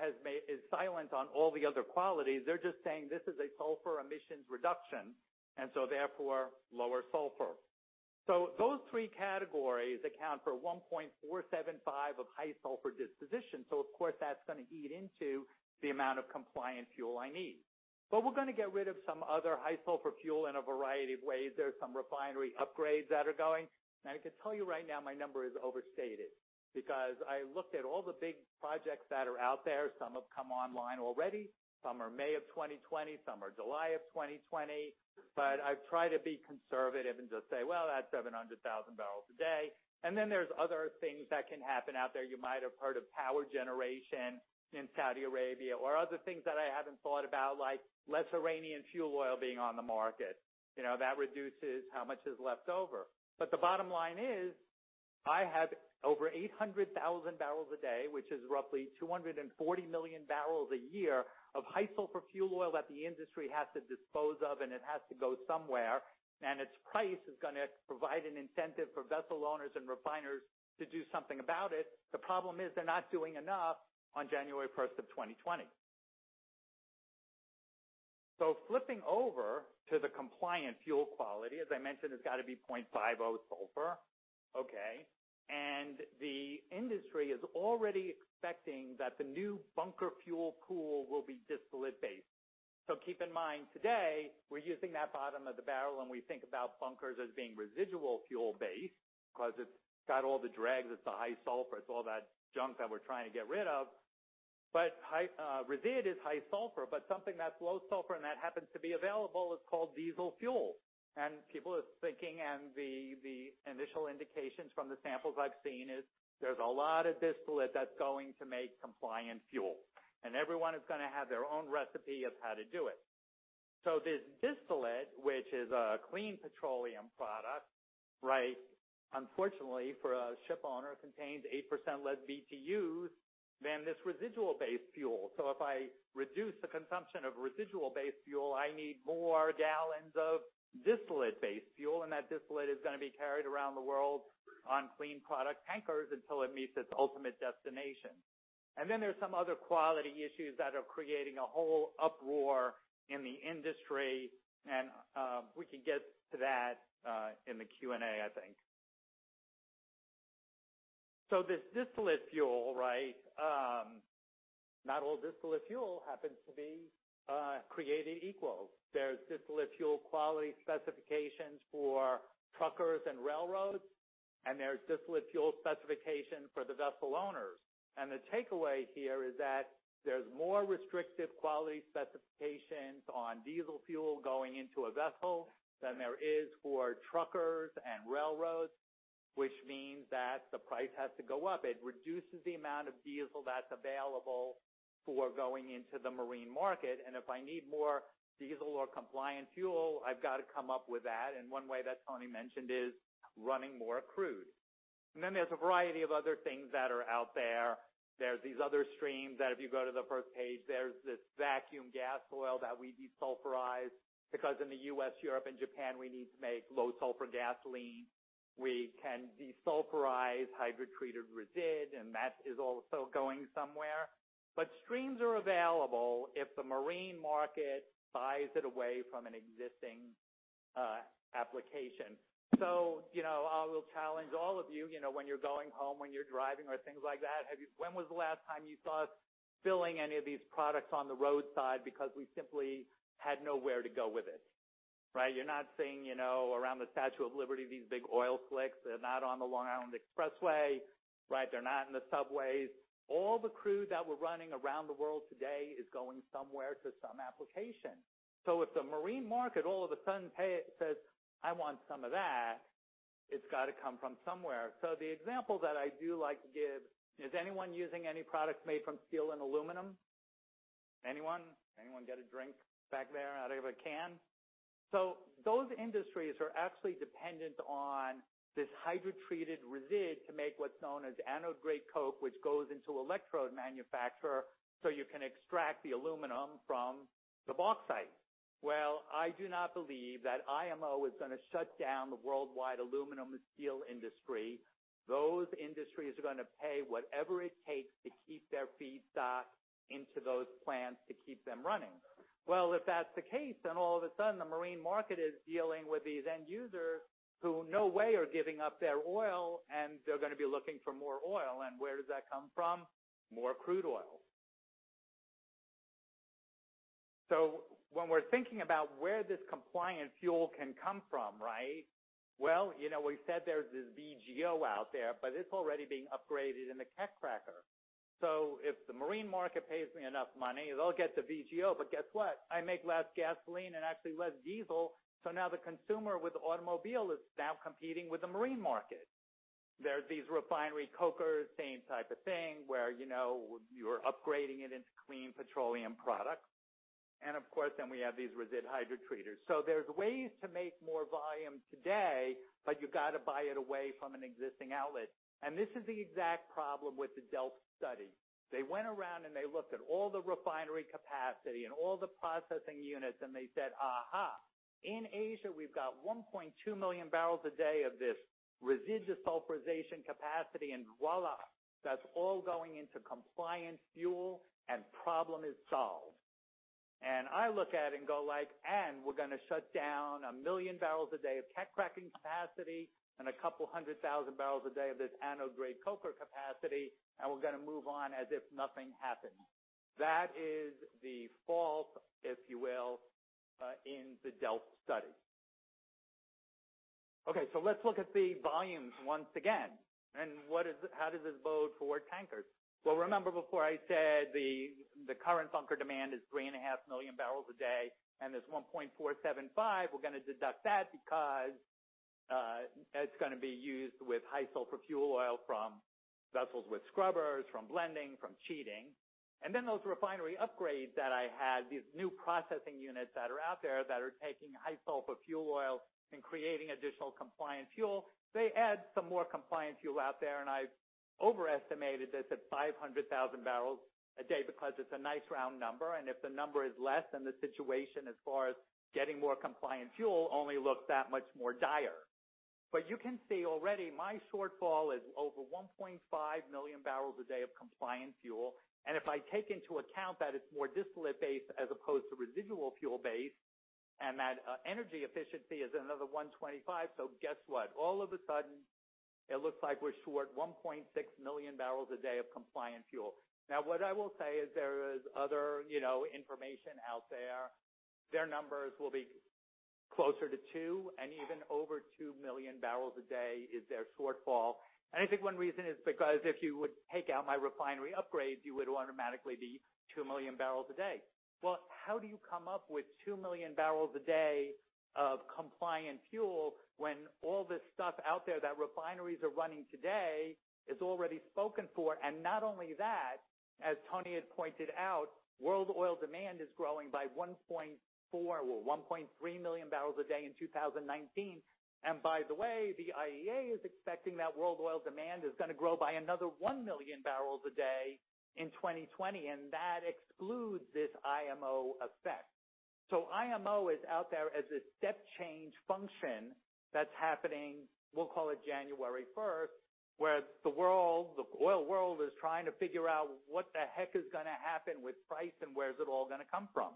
is silent on all the other qualities. They're just saying, "This is a sulfur emissions reduction, and so therefore, lower sulfur." So those three categories account for 1.475 of high-sulfur disposition. So, of course, that's gonna eat into the amount of compliant fuel I need. But we're gonna get rid of some other high-sulfur fuel in a variety of ways. There's some refinery upgrades that are going. And I can tell you right now, my number is overstated because I looked at all the big projects that are out there. Some have come online already. Some are May of 2020. Some are July of 2020. But I've tried to be conservative and just say, "Well, that's 700,000 barrels a day." And then there's other things that can happen out there. You might have heard of power generation in Saudi Arabia or other things that I haven't thought about, like less Iranian fuel oil being on the market. You know, that reduces how much is left over. But the bottom line is, I have over 800,000 barrels a day, which is roughly 240 million barrels a year of high-sulfur fuel oil that the industry has to dispose of, and it has to go somewhere. And its price is gonna provide an incentive for vessel owners and refiners to do something about it. The problem is, they're not doing enough on January 1st of 2020. So flipping over to the compliant fuel quality, as I mentioned, it's gotta be 0.50 sulfur, okay? And the industry is already expecting that the new bunker fuel pool will be distillate-based. So keep in mind, today, we're using that bottom of the barrel, and we think about bunkers as being residual fuel-based 'cause it's got all the dregs. It's the high sulfur. It's all that junk that we're trying to get rid of. But high resid is high sulfur, but something that's low sulfur and that happens to be available is called diesel fuel. People are thinking, and the initial indications from the samples I've seen is, there's a lot of distillate that's going to make compliant fuel, and everyone is gonna have their own recipe of how to do it. So this distillate, which is a clean petroleum product, right, unfortunately, for a ship owner, contains 8% less BTUs than this residual-based fuel. So if I reduce the consumption of residual-based fuel, I need more gallons of distillate-based fuel, and that distillate is gonna be carried around the world on clean product tankers until it meets its ultimate destination. And then there's some other quality issues that are creating a whole uproar in the industry. We can get to that in the Q and A, I think. So this distillate fuel, right, not all distillate fuel happens to be created equal. There's distillate fuel quality specifications for truckers and railroads, and there's distillate fuel specifications for the vessel owners. And the takeaway here is that there's more restrictive quality specifications on diesel fuel going into a vessel than there is for truckers and railroads, which means that the price has to go up. It reduces the amount of diesel that's available for going into the marine market. And if I need more diesel or compliant fuel, I've gotta come up with that. And one way that Tony mentioned is running more crude. And then there's a variety of other things that are out there. There's these other streams that if you go to the first page, there's this vacuum gas oil that we desulfurize because in the U.S., Europe, and Japan, we need to make low-sulfur gasoline. We can desulfurize hydrotreated resid, and that is also going somewhere. But streams are available if the marine market buys it away from an existing application. So, you know, I will challenge all of you. You know, when you're going home, when you're driving or things like that, have you? When was the last time you saw us filling any of these products on the roadside because we simply had nowhere to go with it, right? You're not seeing, you know, around the Statue of Liberty, these big oil slicks. They're not on the Long Island Expressway, right? They're not in the subways. All the crude that we're running around the world today is going somewhere to some application. So if the marine market all of a sudden pays, it says, "I want some of that," it's gotta come from somewhere. So the example that I do like to give is, anyone using any products made from steel and aluminum? Anyone? Anyone get a drink back there out of a can? So those industries are actually dependent on this hydrotreated resid to make what's known as anode-grade coke, which goes into electrode manufacture so you can extract the aluminum from the bauxite. Well, I do not believe that IMO is gonna shut down the worldwide aluminum and steel industry. Those industries are gonna pay whatever it takes to keep their feedstock into those plants to keep them running. Well, if that's the case, then all of a sudden, the marine market is dealing with these end users who no way are giving up their oil, and they're gonna be looking for more oil. And where does that come from? More crude oil. So when we're thinking about where this compliant fuel can come from, right, well, you know, we said there's this VGO out there, but it's already being upgraded in the catcracker. So if the marine market pays me enough money, they'll get the VGO. But guess what? I make less gasoline and actually less diesel. So now the consumer with the automobile is now competing with the marine market. There's these refinery cokers, same type of thing where, you know, you're upgrading it into clean petroleum products. And, of course, then we have these resid hydrotreaters. So there's ways to make more volume today, but you gotta buy it away from an existing outlet. And this is the exact problem with the Delft study. They went around, and they looked at all the refinery capacity and all the processing units, and they said, "Aha. In Asia, we've got 1.2 million barrels a day of this residual desulfurization capacity, and voilà, that's all going into compliant fuel, and problem is solved." And I look at it and go like, "And we're gonna shut down 1 million barrels a day of catcracking capacity and 200,000 barrels a day of this anode-grade coker capacity, and we're gonna move on as if nothing happened." That is the fault, if you will, in the Delft study. Okay. So let's look at the volumes once again. And what is how does this bode for tankers? Well, remember before, I said the, the current bunker demand is 3.5 million barrels a day, and there's 1.475. We're gonna deduct that because, it's gonna be used with high-sulfur fuel oil from vessels with scrubbers, from blending, from cheating. And then those refinery upgrades that I had, these new processing units that are out there that are taking high-sulfur fuel oil and creating additional compliant fuel, they add some more compliant fuel out there. And I've overestimated this at 500,000 barrels a day because it's a nice round number. And if the number is less, then the situation as far as getting more compliant fuel only looks that much more dire. But you can see already, my shortfall is over 1.5 million barrels a day of compliant fuel. And if I take into account that it's more distillate-based as opposed to residual fuel-based and that, energy efficiency is another 125, so guess what? All of a sudden, it looks like we're short 1.6 million barrels a day of compliant fuel. Now, what I will say is there is other, you know, information out there. Their numbers will be closer to 2, and even over 2 million barrels a day is their shortfall. And I think one reason is because if you would take out my refinery upgrades, you would automatically be 2 million barrels a day. Well, how do you come up with 2 million barrels a day of compliant fuel when all this stuff out there that refineries are running today is already spoken for? And not only that, as Tony had pointed out, world oil demand is growing by 1.4 well, 1.3 million barrels a day in 2019. And by the way, the IEA is expecting that world oil demand is gonna grow by another 1 million barrels a day in 2020, and that excludes this IMO effect. So IMO is out there as a step-change function that's happening. We'll call it January 1st, where the world, the oil world, is trying to figure out what the heck is gonna happen with price and where's it all gonna come from.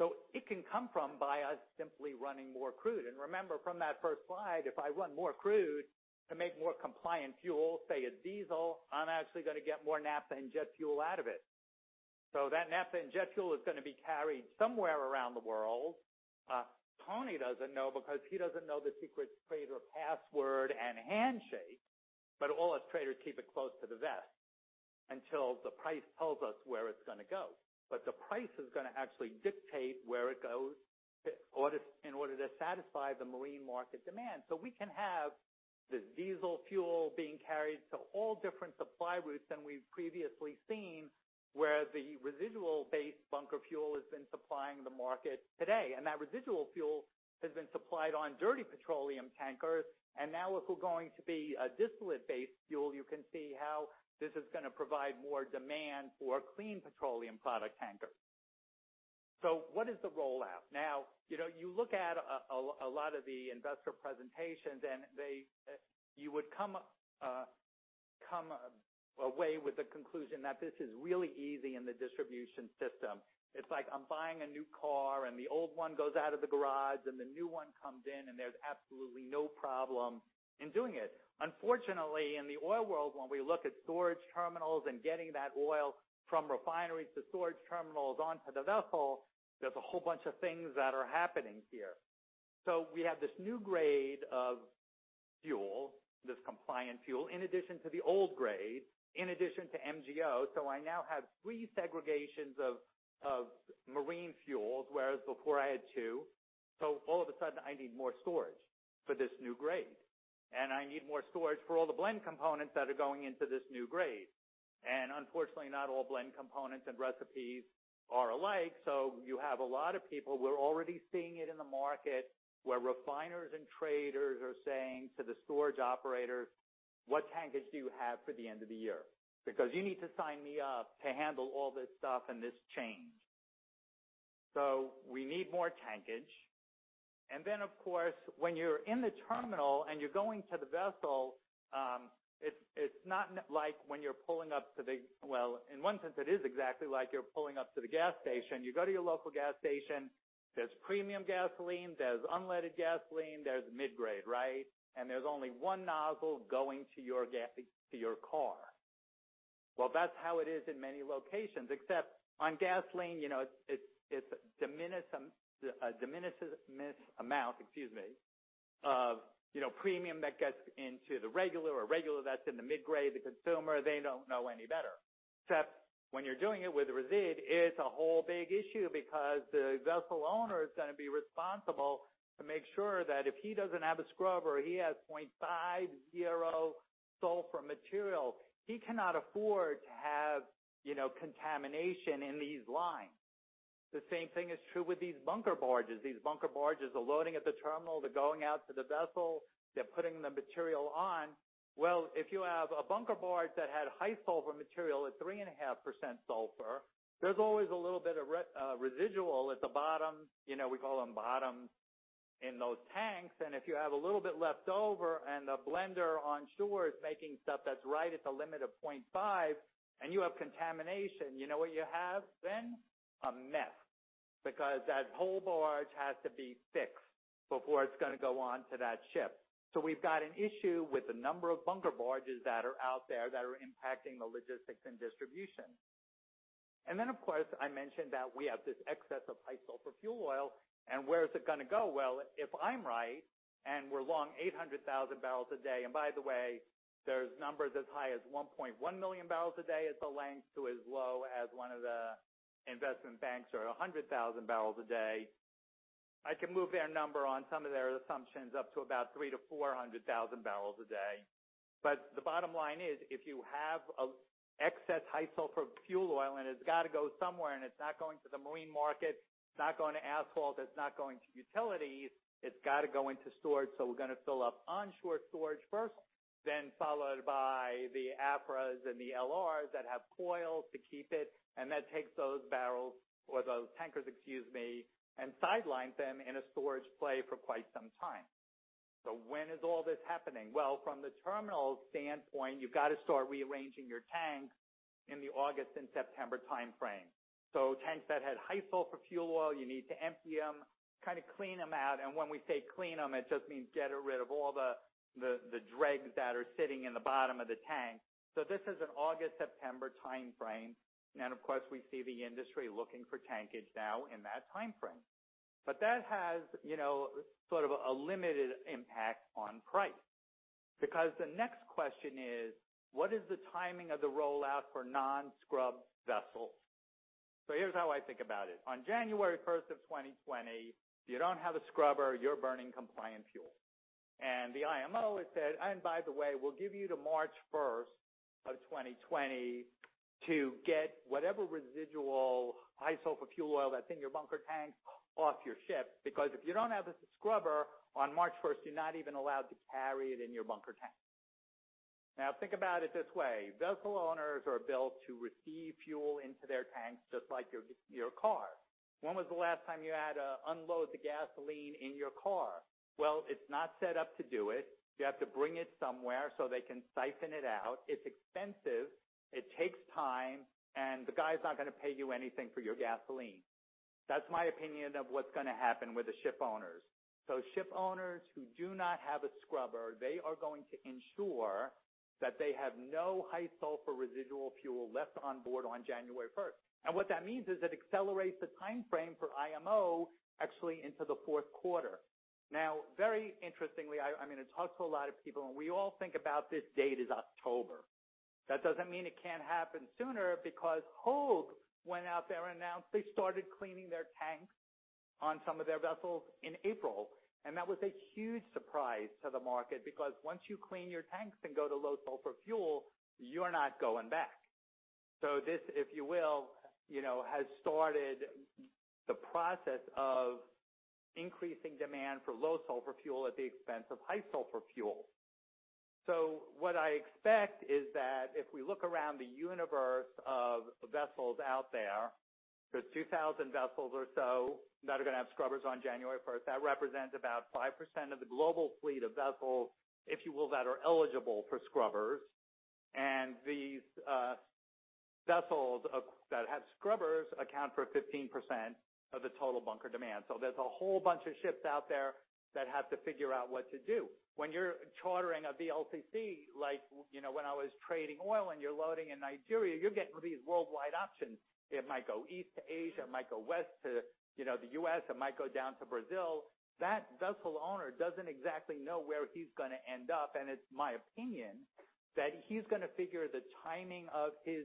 So it can come from by us simply running more crude. And remember, from that first slide, if I run more crude to make more compliant fuel, say a diesel, I'm actually gonna get more naphtha and jet fuel out of it. So that naphtha and jet fuel is gonna be carried somewhere around the world. Tony doesn't know because he doesn't know the secret trader password and handshake. But all us traders keep it close to the vest until the price tells us where it's gonna go. But the price is gonna actually dictate where it goes in order to satisfy the marine market demand. So we can have this diesel fuel being carried to all different supply routes than we've previously seen where the residual-based bunker fuel has been supplying the market today. And that residual fuel has been supplied on dirty petroleum tankers. And now, if we're going to be distillate-based fuel, you can see how this is gonna provide more demand for clean petroleum product tankers. So what is the rollout? Now, you know, you look at a lot of the investor presentations, and they you would come away with the conclusion that this is really easy in the distribution system. It's like, "I'm buying a new car, and the old one goes out of the garage, and the new one comes in, and there's absolutely no problem in doing it." Unfortunately, in the oil world, when we look at storage terminals and getting that oil from refineries to storage terminals onto the vessel, there's a whole bunch of things that are happening here. So we have this new grade of fuel, this compliant fuel, in addition to the old grade, in addition to MGO. So I now have three segregations of marine fuels whereas before, I had two. So all of a sudden, I need more storage for this new grade. And I need more storage for all the blend components that are going into this new grade. And unfortunately, not all blend components and recipes are alike. So you have a lot of people we're already seeing it in the market where refiners and traders are saying to the storage operators, "What tankage do you have for the end of the year? Because you need to sign me up to handle all this stuff and this change." So we need more tankage. And then, of course, when you're in the terminal and you're going to the vessel, it's not like when you're pulling up to the well. In one sense, it is exactly like you're pulling up to the gas station. You go to your local gas station. There's premium gasoline. There's unleaded gasoline. There's mid-grade, right? And there's only one nozzle going to your gas to your car. Well, that's how it is in many locations. Except on gasoline, you know, it's a diminishing amount, excuse me, you know, premium that gets into the regular or regular that's in the mid-grade, the consumer, they don't know any better. Except when you're doing it with resid, it's a whole big issue because the vessel owner is gonna be responsible to make sure that if he doesn't have a scrubber or he has 0.50 sulfur material, he cannot afford to have, you know, contamination in these lines. The same thing is true with these bunker barges. These bunker barges, the loading at the terminal, the going out to the vessel, they're putting the material on. Well, if you have a bunker barge that had high-sulfur material at 3.5% sulfur, there's always a little bit of residual at the bottom. You know, we call them bottoms in those tanks. If you have a little bit left over and the blender on shore is making stuff that's right at the limit of 0.5 and you have contamination, you know what you have then? A mess because that whole barge has to be fixed before it's gonna go onto that ship. We've got an issue with the number of bunker barges that are out there that are impacting the logistics and distribution. Then, of course, I mentioned that we have this excess of high-sulfur fuel oil. Where's it gonna go? Well, if I'm right and we're long 800,000 barrels a day and by the way, there's numbers as high as 1.1 million barrels a day at the length to as low as one of the investment banks are 100,000 barrels a day, I can move their number on some of their assumptions up to about 300,000-400,000 barrels a day. But the bottom line is, if you have an excess high-sulfur fuel oil and it's gotta go somewhere and it's not going to the marine market, it's not going to asphalt, it's not going to utilities, it's gotta go into storage. So we're gonna fill up onshore storage first, then followed by the AFRAs and the LRs that have coils to keep it. And that takes those barrels or those tankers, excuse me, and sidelines them in a storage play for quite some time. So when is all this happening? Well, from the terminal standpoint, you've gotta start rearranging your tanks in the August and September timeframe. So tanks that had high-sulfur fuel oil, you need to empty them, kinda clean them out. And when we say clean them, it just means get rid of all the dregs that are sitting in the bottom of the tank. So this is an August-September timeframe. And then, of course, we see the industry looking for tankage now in that timeframe. But that has, you know, sort of a limited impact on price because the next question is, what is the timing of the rollout for non-scrubbed vessels? So here's how I think about it. On January 1st of 2020, if you don't have a scrubber, you're burning compliant fuel. The IMO has said, "And by the way, we'll give you to March 1st of 2020 to get whatever residual high-sulfur fuel oil that's in your bunker tanks off your ship because if you don't have a scrubber, on March 1st, you're not even allowed to carry it in your bunker tank." Now, think about it this way. Vessel owners are built to receive fuel into their tanks just like your gas in your car. When was the last time you had to unload the gasoline in your car? Well, it's not set up to do it. You have to bring it somewhere so they can siphon it out. It's expensive. It takes time. And the guy's not gonna pay you anything for your gasoline. That's my opinion of what's gonna happen with the ship owners. So ship owners who do not have a scrubber, they are going to ensure that they have no high-sulfur residual fuel left on board on January 1st. And what that means is it accelerates the timeframe for IMO actually into the Q4. Now, very interestingly, I, I'm gonna talk to a lot of people, and we all think about this date as October. That doesn't mean it can't happen sooner because Hapag-Lloyd went out there and announced they started cleaning their tanks on some of their vessels in April. And that was a huge surprise to the market because once you clean your tanks and go to low-sulfur fuel, you're not going back. So this, if you will, you know, has started the process of increasing demand for low-sulfur fuel at the expense of high-sulfur fuel. So what I expect is that if we look around the universe of vessels out there, there's 2,000 vessels or so that are gonna have scrubbers on January 1st. That represents about 5% of the global fleet of vessels, if you will, that are eligible for scrubbers. And these vessels that have scrubbers account for 15% of the total bunker demand. So there's a whole bunch of ships out there that have to figure out what to do. When you're chartering a VLCC, like, you know, when I was trading oil and you're loading in Nigeria, you're getting these worldwide options. It might go east to Asia. It might go west to, you know, the US. It might go down to Brazil. That vessel owner doesn't exactly know where he's gonna end up. And it's my opinion that he's gonna figure the timing of his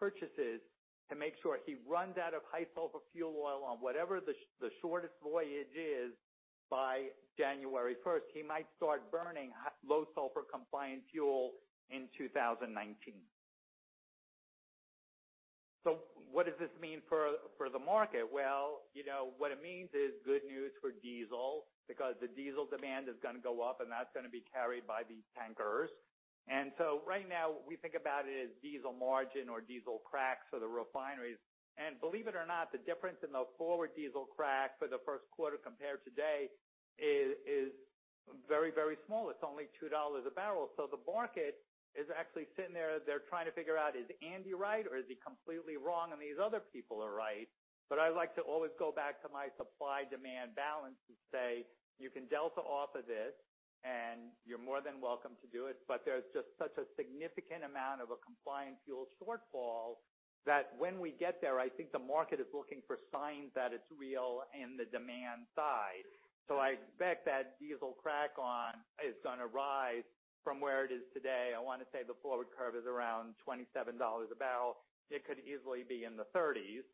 purchases to make sure he runs out of high-sulfur fuel oil on whatever the shortest voyage is by January 1st. He might start burning low-sulfur compliant fuel in 2019. So what does this mean for the market? Well, you know, what it means is good news for diesel because the diesel demand is gonna go up, and that's gonna be carried by these tankers. And so right now, we think about it as diesel margin or diesel cracks for the refineries. And believe it or not, the difference in the forward diesel crack for the Q1 compared to today is very, very small. It's only $2 a barrel. So the market is actually sitting there. They're trying to figure out, is Andrew right, or is he completely wrong and these other people are right? But I like to always go back to my supply-demand balance and say, "You can delta off of this, and you're more than welcome to do it." But there's just such a significant amount of a compliant fuel shortfall that when we get there, I think the market is looking for signs that it's real in the demand side. So I expect that diesel crack on is gonna rise from where it is today. I wanna say the forward curve is around $27 a barrel. It could easily be in the 30s.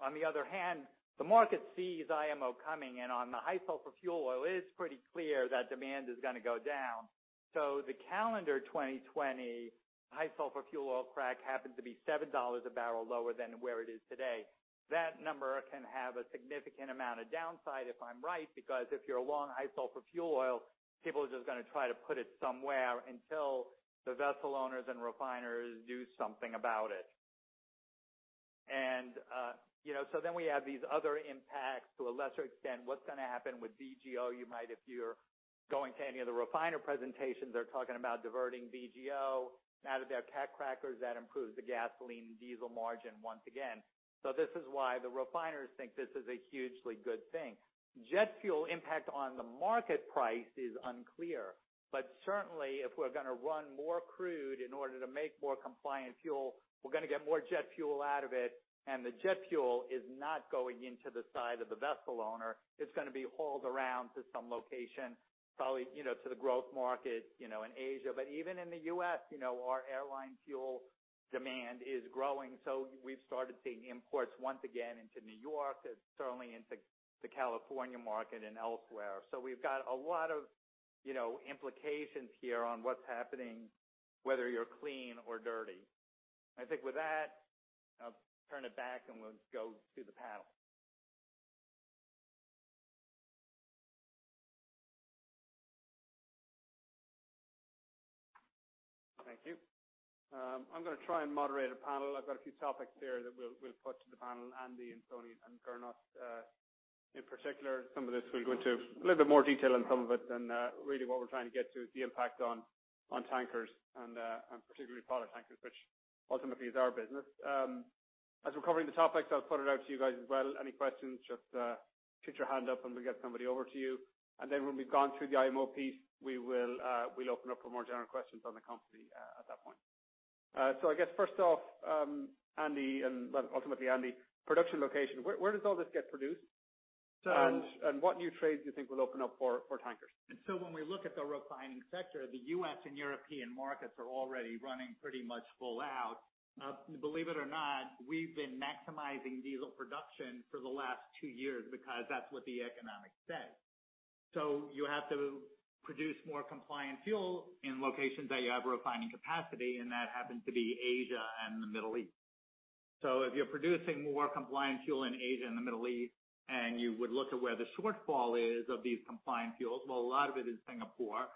On the other hand, the market sees IMO coming, and on the high-sulfur fuel oil, it's pretty clear that demand is gonna go down. So the calendar 2020 high-sulfur fuel oil crack happens to be $7 a barrel lower than where it is today. That number can have a significant amount of downside if I'm right because if you're long high-sulfur fuel oil, people are just gonna try to put it somewhere until the vessel owners and refiners do something about it. And, you know, so then we have these other impacts to a lesser extent. What's gonna happen with VGO? You might, if you're going to any of the refiner presentations, they're talking about diverting VGO out of their cat crackers. That improves the gasoline and diesel margin once again. So this is why the refiners think this is a hugely good thing. Jet fuel impact on the market price is unclear. But certainly, if we're gonna run more crude in order to make more compliant fuel, we're gonna get more jet fuel out of it. And the jet fuel is not going into the side of the vessel owner. It's gonna be hauled around to some location, probably, you know, to the growth market, you know, in Asia. But even in the US, you know, our airline fuel demand is growing. So we've started seeing imports once again into New York and certainly into the California market and elsewhere. So we've got a lot of, you know, implications here on what's happening, whether you're clean or dirty. I think with that, I'll turn it back, and we'll go to the panel. Thank you. I'm gonna try and moderate a panel. I've got a few topics here that we'll, we'll put to the panel, Andrew and Sonny and Gernot, in particular. Some of this we'll go into a little bit more detail on some of it than, really what we're trying to get to is the impact on, on tankers and, and particularly product tankers, which ultimately is our business. As we're covering the topics, I'll put it out to you guys as well. Any questions, just, put your hand up, and we'll get somebody over to you. And then when we've gone through the IMO piece, we will, we'll open up for more general questions on the company, at that point. So I guess first off, Andrew and well, ultimately, Andrew, production location. Where, where does all this get produced? And, and what new trades do you think will open up for, for tankers? When we look at the refining sector, the U.S. and European markets are already running pretty much full out. Believe it or not, we've been maximizing diesel production for the last two years because that's what the economic says. You have to produce more compliant fuel in locations that you have refining capacity, and that happens to be Asia and the Middle East. If you're producing more compliant fuel in Asia and the Middle East, and you would look at where the shortfall is of these compliant fuels, well, a lot of it is Singapore.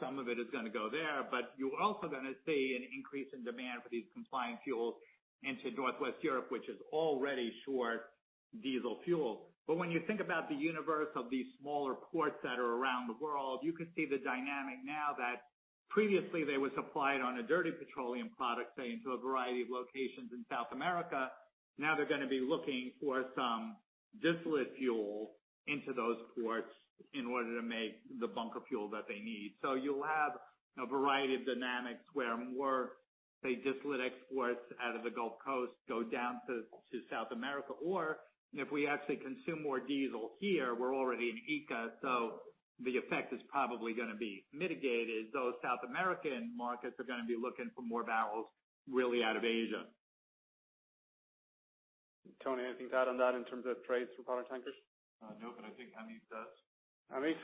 Some of it is gonna go there. But you're also gonna see an increase in demand for these compliant fuels into Northwest Europe, which is already short diesel fuel. But when you think about the universe of these smaller ports that are around the world, you can see the dynamic now that previously, they were supplied on a dirty petroleum product, say, into a variety of locations in South America. Now they're gonna be looking for some distillate fuel into those ports in order to make the bunker fuel that they need. So you'll have a variety of dynamics where more, say, distillate exports out of the Gulf Coast go down to, to South America. Or if we actually consume more diesel here, we're already in ECA, so the effect is probably gonna be mitigated. Those South American markets are gonna be looking for more barrels really out of Asia. Tony, anything to add on that in terms of trades for product tankers? No, but I think Amit does. Amit?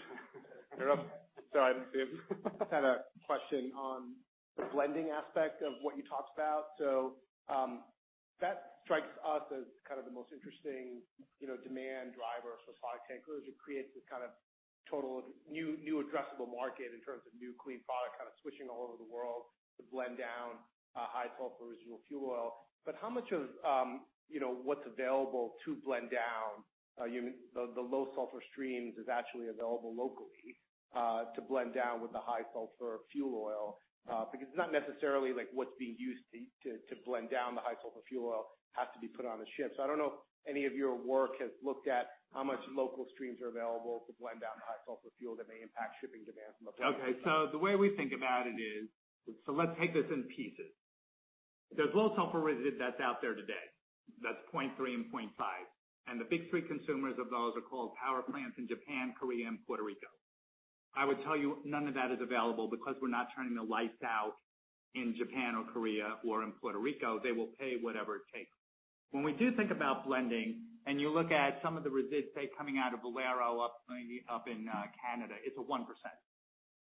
You're up. Sorry, I didn't see him. I had a question on the blending aspect of what you talked about. So, that strikes us as kind of the most interesting, you know, demand driver for product tankers. It creates this kind of total new, new addressable market in terms of new clean product kinda switching all over the world to blend down high-sulfur residual fuel oil. But how much of, you know, what's available to blend down, you mean the low-sulfur streams is actually available locally, to blend down with the high-sulfur fuel oil, because it's not necessarily, like, what's being used to blend down the high-sulfur fuel oil has to be put on the ship. So I don't know if any of your work has looked at how much local streams are available to blend down the high-sulfur fuel that may impact shipping demands from the blending process. Okay. So the way we think about it is so let's take this in pieces. There's low-sulfur residue that's out there today. That's 0.3% and 0.5%. And the big three consumers of those are called power plants in Japan, Korea, and Puerto Rico. I would tell you, none of that is available because we're not turning the lights out in Japan or Korea or in Puerto Rico. They will pay whatever it takes. When we do think about blending, and you look at some of the residue, say, coming out of Valero up in, up in, Canada, it's a 1%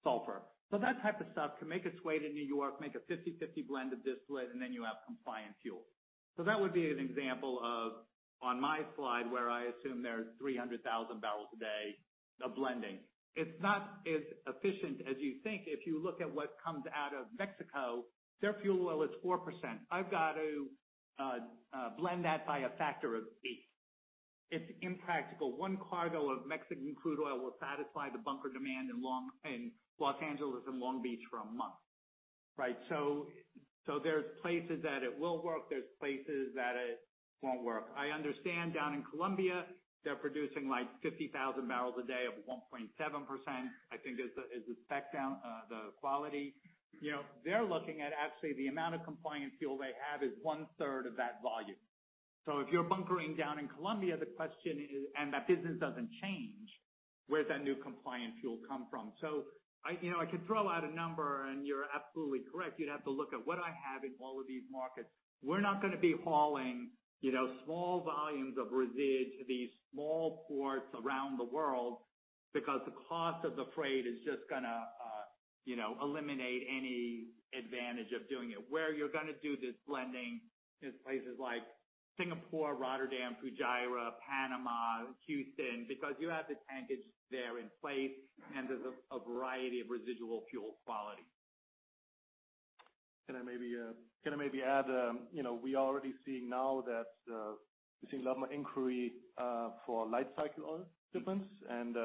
sulfur. So that type of stuff can make its way to New York, make a 50/50 blend of distillate, and then you have compliant fuel. So that would be an example of, on my slide, where I assume there's 300,000 barrels a day of blending. It's not as efficient as you think. If you look at what comes out of Mexico, their fuel oil is 4%. I've got to blend that by a factor of 8. It's impractical. One cargo of Mexican crude oil will satisfy the bunker demand in Long Beach, Los Angeles, and Long Beach for a month, right? So there's places that it will work. There's places that it won't work. I understand down in Colombia, they're producing, like, 50,000 barrels a day of 1.7%, I think, is the spec down the quality. You know, they're looking at actually the amount of compliant fuel they have is one-third of that volume. So if you're bunkering down in Colombia, the question is and that business doesn't change, where's that new compliant fuel come from? So I, you know, I could throw out a number, and you're absolutely correct. You'd have to look at what I have in all of these markets. We're not gonna be hauling, you know, small volumes of residue to these small ports around the world because the cost of the freight is just gonna, you know, eliminate any advantage of doing it. Where you're gonna do this blending is places like Singapore, Rotterdam, Fujairah, Panama, Houston because you have the tankage there in place, and there's a variety of residual fuel quality. Can I maybe add, you know, we already see now that we're seeing a lot more inquiry for Light Cycle Oil shipments. And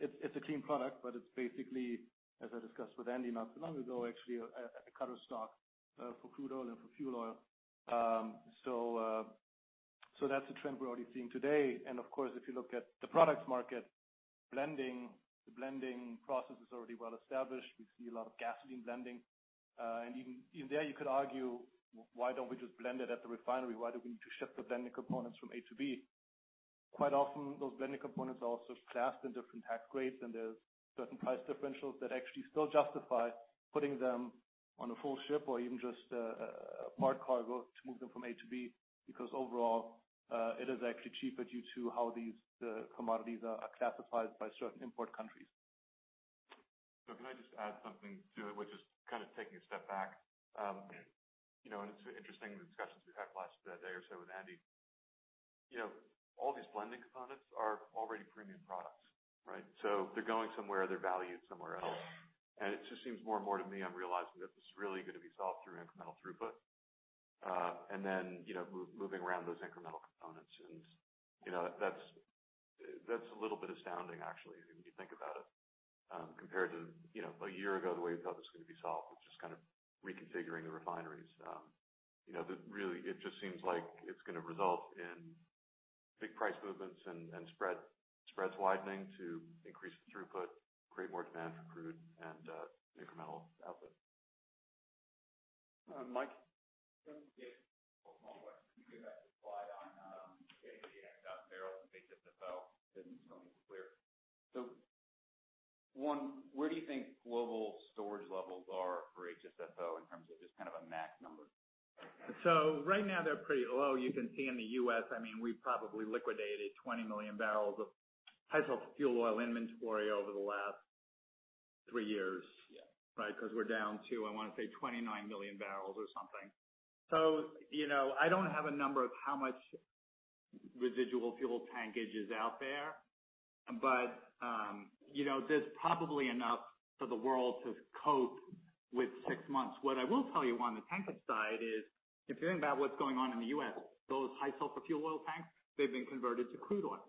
it's a clean product, but it's basically, as I discussed with Andrew not so long ago, actually a cutter stock for crude oil and for fuel oil. So that's a trend we're already seeing today. And of course, if you look at the products market, the blending process is already well established. We see a lot of gasoline blending. And even there, you could argue, "Why don't we just blend it at the refinery? Why do we need to ship the blending components from A to B?" Quite often, those blending components are also classed in different tax grades, and there's certain price differentials that actually still justify putting them on a full ship or even just a part cargo to move them from A to B because overall, it is actually cheaper due to how these commodities are classified by certain import countries. So can I just add something to it, which is kind of taking a step back? You know, and it's interesting the discussions we've had the last day or so with Andrew. You know, all these blending components are already premium products, right? So they're going somewhere. They're valued somewhere else. And it just seems more and more to me I'm realizing that this is really gonna be solved through incremental throughput, and then, you know, moving around those incremental components. And, you know, that's, that's a little bit astounding, actually, when you think about it, compared to, you know, a year ago, the way you thought this was gonna be solved with just kind of reconfiguring the refineries. You know, the real, it just seems like it's gonna result in big price movements and spreads widening to increase the throughput, create more demand for crude, and incremental output. Mike? Yeah. One question. Can you go back to the slide on getting the excess barrels and HSFO? Didn't Sonny was clear. So one, where do you think global storage levels are for HSFO in terms of just kind of a max number? Right now, they're pretty low. You can see in the U.S., I mean, we probably liquidated 20 million barrels of high-sulfur fuel oil inventory over the last 3 years. Yeah. Right? 'Cause we're down to, I wanna say, 29 million barrels or something. So, you know, I don't have a number of how much residual fuel tankage is out there, but, you know, there's probably enough for the world to cope with six months. What I will tell you on the tankage side is if you think about what's going on in the U.S., those high-sulfur fuel oil tanks, they've been converted to crude oil.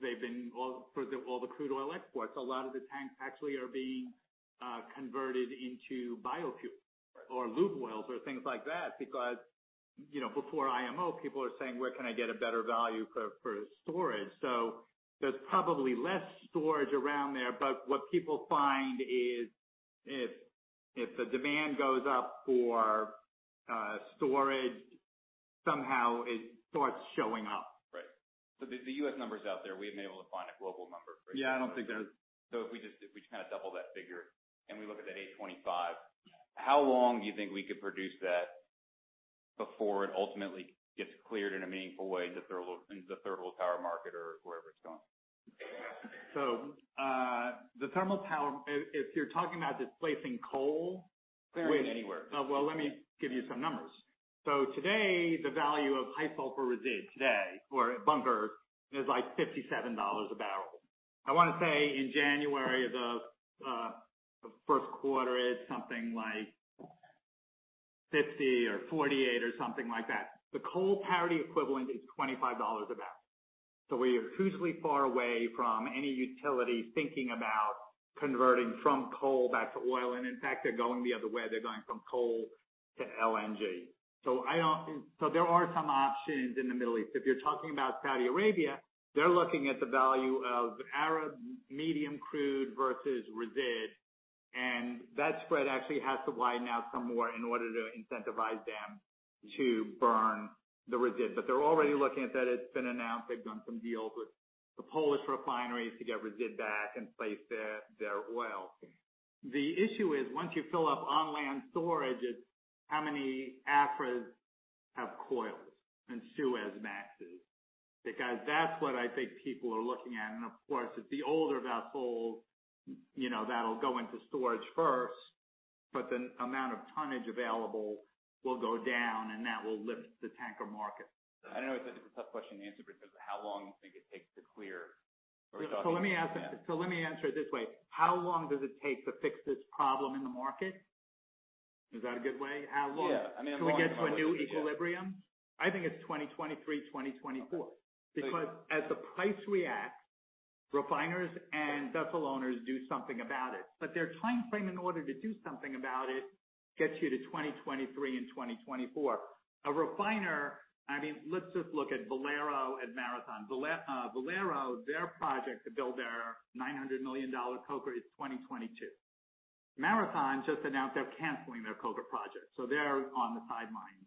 They've been all for all the crude oil exports, a lot of the tanks actually are being converted into biofuel or lube oils or things like that because, you know, before IMO, people are saying, "Where can I get a better value for storage?" So there's probably less storage around there, but what people find is if the demand goes up for storage, somehow it starts showing up. Right. So the US number's out there. We haven't been able to find a global number for HSFO. Yeah. I don't think there is. So if we just kinda double that figure, and we look at that 825, how long do you think we could produce that before it ultimately gets cleared in a meaningful way into the thermal power market or wherever it's going? The thermal power, if you're talking about displacing coal. Clearing it anywhere. Well, let me give you some numbers. So today, the value of high-sulfur residue today or bunkers is, like, $57 a barrel. I wanna say in January of the Q1, it's something like 50 or 48 or something like that. The coal parity equivalent is $25 a barrel. So we are hugely far away from any utility thinking about converting from coal back to oil. And in fact, they're going the other way. They're going from coal to LNG. So I don't so there are some options in the Middle East. If you're talking about Saudi Arabia, they're looking at the value of Arab Medium crude versus residue. And that spread actually has to widen out some more in order to incentivize them to burn the residue. But they're already looking at that. It's been announced. They've done some deals with the Polish refineries to get residue back and place their, their oil. The issue is once you fill up on-land storage, it's how many Aframaxes, VLCCs and Suezmaxes because that's what I think people are looking at. And of course, it's the older vessels, you know, that'll go into storage first, but the amount of tonnage available will go down, and that will lift the tanker market. I don't know if that's a tough question to answer because of how long you think it takes to clear. Are we talking about? So let me answer it this way. How long does it take to fix this problem in the market? Is that a good way? How long. Yeah. I mean, long. Do we get to a new equilibrium? I think it's 2023, 2024 because as the price reacts, refiners and vessel owners do something about it. But their timeframe in order to do something about it gets you to 2023 and 2024. A refiner, I mean, let's just look at Valero and Marathon. Valero, their project to build their $900 million coker is 2022. Marathon just announced they're canceling their coker project. So they're on the sidelines.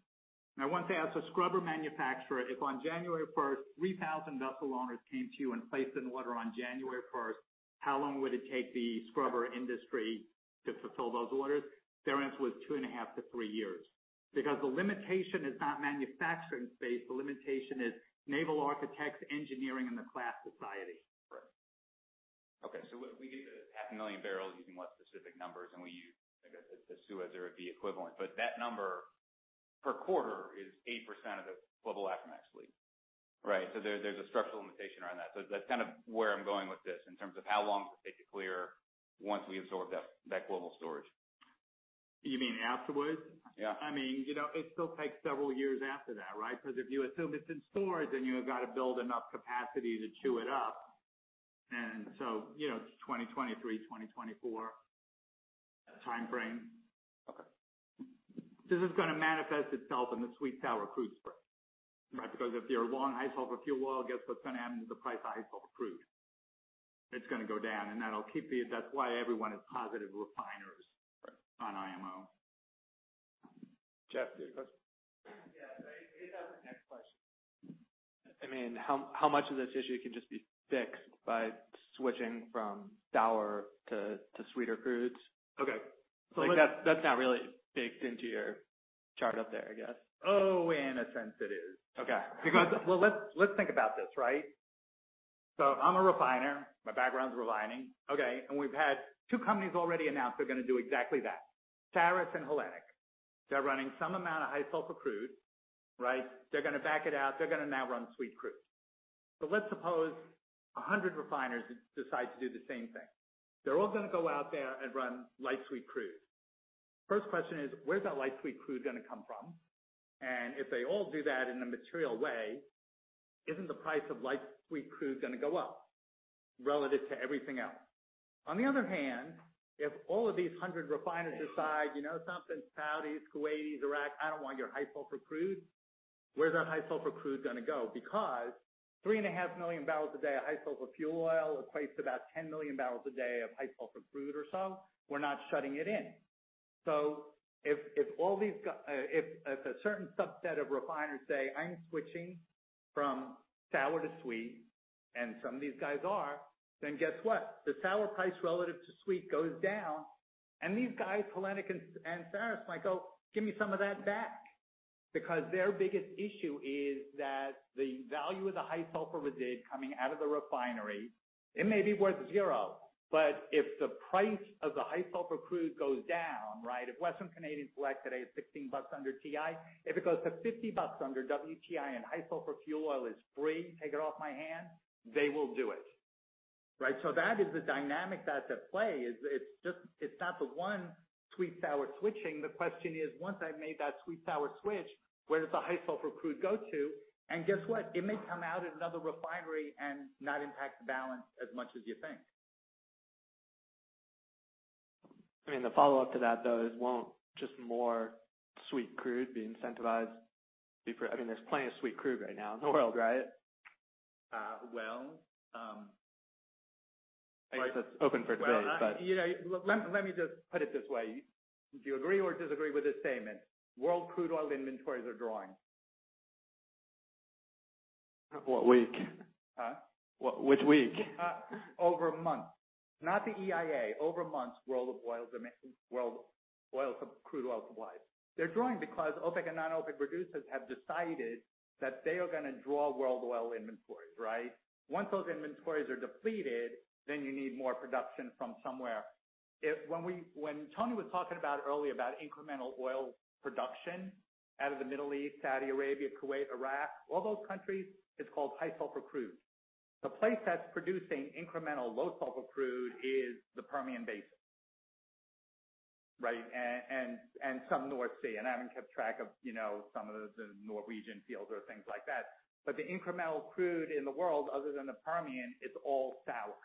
Now, once they ask a scrubber manufacturer, if on January 1st, 3,000 vessel owners came to you and placed an order on January 1st, how long would it take the scrubber industry to fulfill those orders? Their answer was 2.5-3 years because the limitation is not manufacturing space. The limitation is naval architects, engineering, and the class society. Right. Okay. So we get the 500,000 barrels using less specific numbers, and we use, I guess, the Suez or the equivalent. But that number per quarter is 8% of the global Aframax fleet, right? So there's a structural limitation around that. So that's kind of where I'm going with this in terms of how long does it take to clear once we absorb that global storage. You mean afterwards? Yeah. I mean, you know, it still takes several years after that, right? 'Cause if you assume it's in storage, then you have gotta build enough capacity to chew it up. And so, you know, it's 2023, 2024 timeframe. Okay. This is gonna manifest itself in the sweet-sour crude spread, right? Because if you're a long high-sulfur fuel oil, guess what's gonna happen to the price of high-sulfur crude? It's gonna go down. And that'll keep the that's why everyone is positive refiners. Right. On IMO. Jeff, do you have a question? Yeah. I guess that's the next question. I mean, how much of this issue can just be fixed by switching from sour to sweeter crudes? Okay. So let's. Like, that's, that's not really baked into your chart up there, I guess. Oh, in a sense, it is. Okay. Because well, let's think about this, right? So I'm a refiner. My background's refining. Okay. And we've had 2 companies already announce they're gonna do exactly that: Saras and Hellenic. They're running some amount of high-sulfur crude, right? They're gonna back it out. They're gonna now run sweet crude. So let's suppose 100 refiners decide to do the same thing. They're all gonna go out there and run light sweet crude. First question is, where's that light sweet crude gonna come from? And if they all do that in a material way, isn't the price of light sweet crude gonna go up relative to everything else? On the other hand, if all of these 100 refiners decide, you know, something Saudis, Kuwaitis, Iraq, I don't want your high-sulfur crude, where's that high-sulfur crude gonna go? Because 3.5 million barrels a day of high-sulfur fuel oil equates to about 10 million barrels a day of high-sulfur crude or so. We're not shutting it in. So if all these guys, if a certain subset of refiners say, "I'm switching from sour to sweet," and some of these guys are, then guess what? The sour price relative to sweet goes down. And these guys, Hellenic and Saras, might go, "Give me some of that back because their biggest issue is that the value of the high-sulfur residue coming out of the refinery, it may be worth zero. But if the price of the high-sulfur crude goes down, right, if Western Canadian Select today at $16 under WTI, if it goes to $50 under WTI and high-sulfur fuel oil is free, take it off my hands, they will do it," right? So that is the dynamic that's at play. It's just not the one sweet-sour switching. The question is, once I've made that sweet-sour switch, where does the high-sulfur crude go to? And guess what? It may come out at another refinery and not impact the balance as much as you think. I mean, the follow-up to that, though, is, won't just more sweet crude be incentivized before? I mean, there's plenty of sweet crude right now in the world, right? well, I guess that's open for debate, but. Well, you know, let me just put it this way. Do you agree or disagree with this statement? World crude oil inventories are drawing. What week? Huh? What, which week? Over a month. Not the EIA. Over a month, world oil demand, world oil crude oil supplies. They're drawing because OPEC and non-OPEC producers have decided that they are gonna draw world oil inventories, right? Once those inventories are depleted, then you need more production from somewhere. If, when Tony was talking about earlier about incremental oil production out of the Middle East, Saudi Arabia, Kuwait, Iraq, all those countries, it's called high-sulfur crude. The place that's producing incremental low-sulfur crude is the Permian Basin, right, and some North Sea. And I haven't kept track of, you know, some of the Norwegian fields or things like that. But the incremental crude in the world, other than the Permian, it's all sour.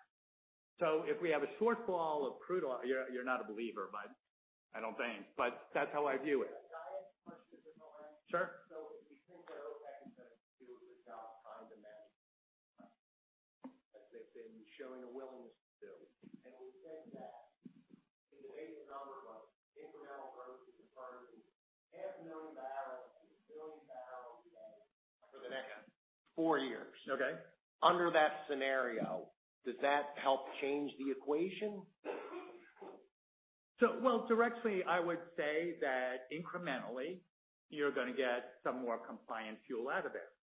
So if we have a shortfall of crude oil, you're not a believer, but I don't think. But that's how I view it. Diane's question is in the right. Sure. So if we think that OPEC is gonna do a good job trying to manage that, as they've been showing a willingness to do, and we think that in today's number of us, incremental growth is affirming 500,000 barrels and 1 billion barrels a day. For the next four years. Okay. Under that scenario, does that help change the equation? Well, directly, I would say that incrementally, you're gonna get some more compliant fuel out of there,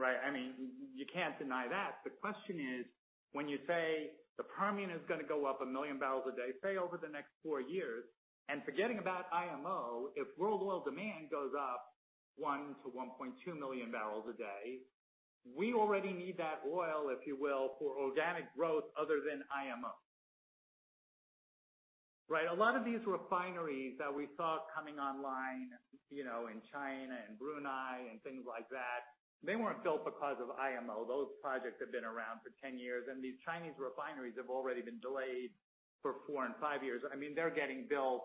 right? I mean, you can't deny that. The question is, when you say the Permian is gonna go up 1 million barrels a day, say, over the next 4 years, and forgetting about IMO, if world oil demand goes up 1-1.2 million barrels a day, we already need that oil, if you will, for organic growth other than IMO, right? A lot of these refineries that we saw coming online, you know, in China and Brunei and things like that, they weren't built because of IMO. Those projects have been around for 10 years. And these Chinese refineries have already been delayed for 4 and 5 years. I mean, they're getting built,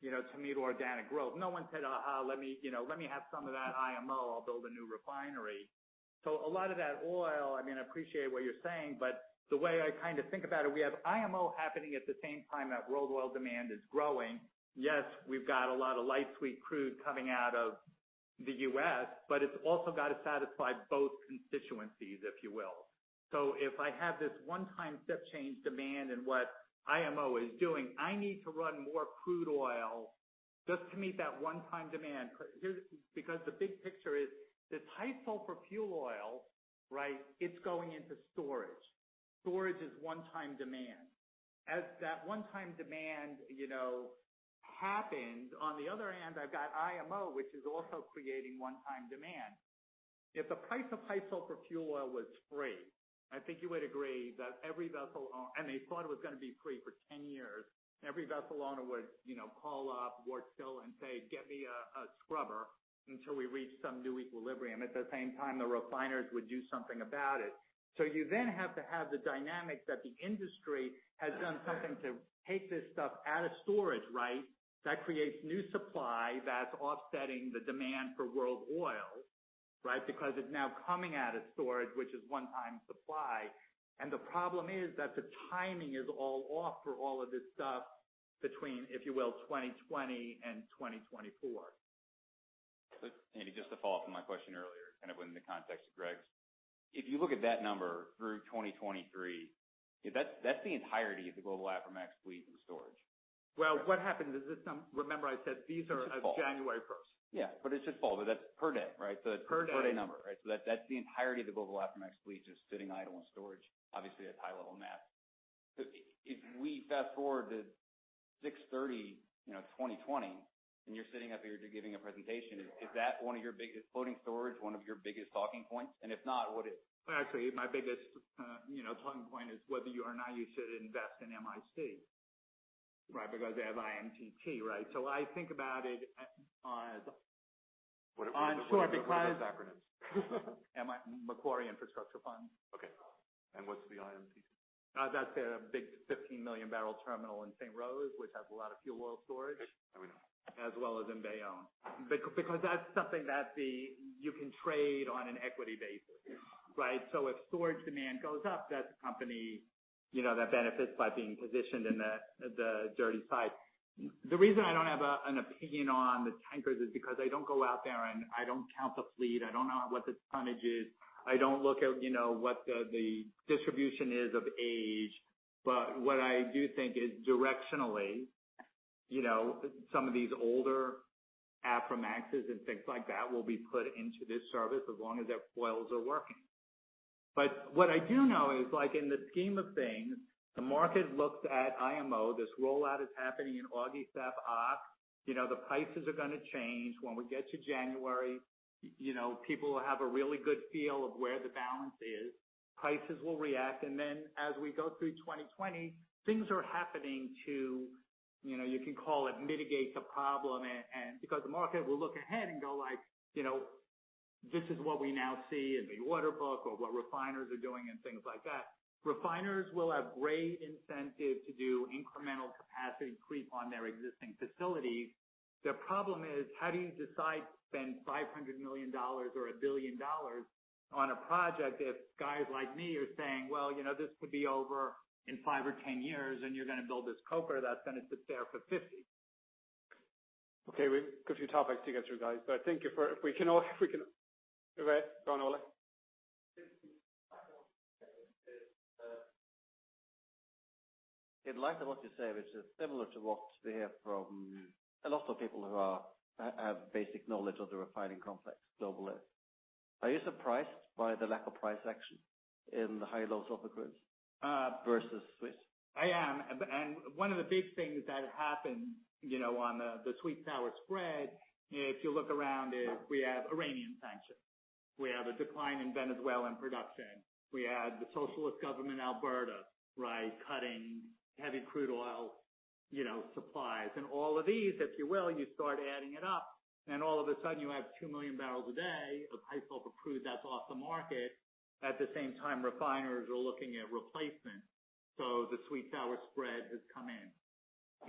you know, to meet organic growth. No one said, "Aha. Let me tell you, let me have some of that IMO. I'll build a new refinery." So a lot of that oil I mean, I appreciate what you're saying, but the way I kinda think about it, we have IMO happening at the same time that world oil demand is growing. Yes, we've got a lot of light sweet crude coming out of the U.S., but it's also gotta satisfy both constituencies, if you will. So if I have this one-time shift change demand in what IMO is doing, I need to run more crude oil just to meet that one-time demand 'cause here's because the big picture is this high-sulfur fuel oil, right, it's going into storage. Storage is one-time demand. As that one-time demand, you know, happens, on the other hand, I've got IMO, which is also creating one-time demand. If the price of high-sulfur fuel oil was free, I think you would agree that every vessel owner and they thought it was gonna be free for 10 years. Every vessel owner would, you know, call up Wärtsilä and say, "Get me a, a scrubber until we reach some new equilibrium." At the same time, the refiners would do something about it. So you then have to have the dynamics that the industry has done something to take this stuff out of storage, right? That creates new supply that's offsetting the demand for world oil, right, because it's now coming out of storage, which is one-time supply. The problem is that the timing is all off for all of this stuff between, if you will, 2020 and 2024. Just to follow up on my question earlier, kind of in the context of Greg's, if you look at that number through 2023, that's the entirety of the global aftermarket fleet in storage. Well, what happens is it's some, remember, I said these are of January 1st. It's fall. Yeah. But it's just fall. But that's per day, right? So it's. Per day. Per day number, right? So that's, that's the entirety of the global afloat MR fleet just sitting idle in storage, obviously, at high-level maps. So if we fast-forward to 2030, you know, 2020, and you're sitting up here giving a presentation, is that one of your biggest floating storage, one of your biggest talking points? And if not, what is? Well, actually, my biggest, you know, talking point is whether or not you should invest in MIC, right, because they have IMTT, right? So I think about it as. What about the global acronyms? Sure. Because Macquarie Infrastructure Corporation. Okay. What's the IMTT? That's their big 15 million-barrel terminal in St. Rose, which has a lot of fuel oil storage. Okay. Let me know. As well as in Bayonne. Because that's something that you can trade on an equity basis, right? So if storage demand goes up, that's a company, you know, that benefits by being positioned in the, the dirty side. The reason I don't have an opinion on the tankers is because I don't go out there, and I don't count the fleet. I don't know what the tonnage is. I don't look at, you know, what the, the distribution is of age. But what I do think is directionally, you know, some of these older Aframaxes and things like that will be put into this service as long as their boilers are working. But what I do know is, like, in the scheme of things, the market looks at IMO. This rollout is happening in August, Oct. You know, the prices are gonna change. When we get to January, you know, people will have a really good feel of where the balance is. Prices will react. Then as we go through 2020, things are happening to, you know, you can call it mitigate the problem and because the market will look ahead and go like, you know, "This is what we now see in the orderbook," or, "What refiners are doing," and things like that. Refiners will have great incentive to do incremental capacity creep on their existing facilities. The problem is, how do you decide to spend $500 million or $1 billion on a project if guys like me are saying, "Well, you know, this could be over in 5 or 10 years, and you're gonna build this coker that's gonna sit there for 50"? Okay. We've got a few topics to get through, guys. But thank you. If we can all right. Go on, Ole. It aligns with what you say, which is similar to what we hear from a lot of people who have basic knowledge of the refining complex globally. Are you surprised by the lack of price action in the high- and low-sulfur crudes? Versus sweet? I am. And one of the big things that happened, you know, on the sweet-sour spread, if you look around, is we have Iranian sanctions. We have a decline in Venezuelan production. We had the socialist government in Alberta, right, cutting heavy crude oil, you know, supplies. And all of these, if you will, you start adding it up. And all of a sudden, you have 2 million barrels a day of high-sulfur crude that's off the market. At the same time, refiners are looking at replacement. So the sweet-sour spread has come in,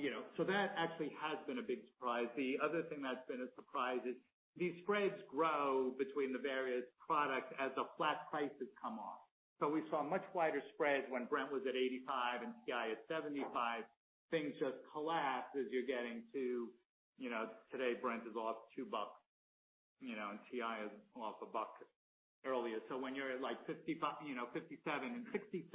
you know? So that actually has been a big surprise. The other thing that's been a surprise is these spreads grow between the various products as the flat prices come off. So we saw much wider spreads when Brent was at $85 and WTI at $75. Things just collapse as you're getting to, you know, today, Brent is off $2, you know, and WTI is off $1 earlier. So when you're at, like, $55 you know, $57 and $67,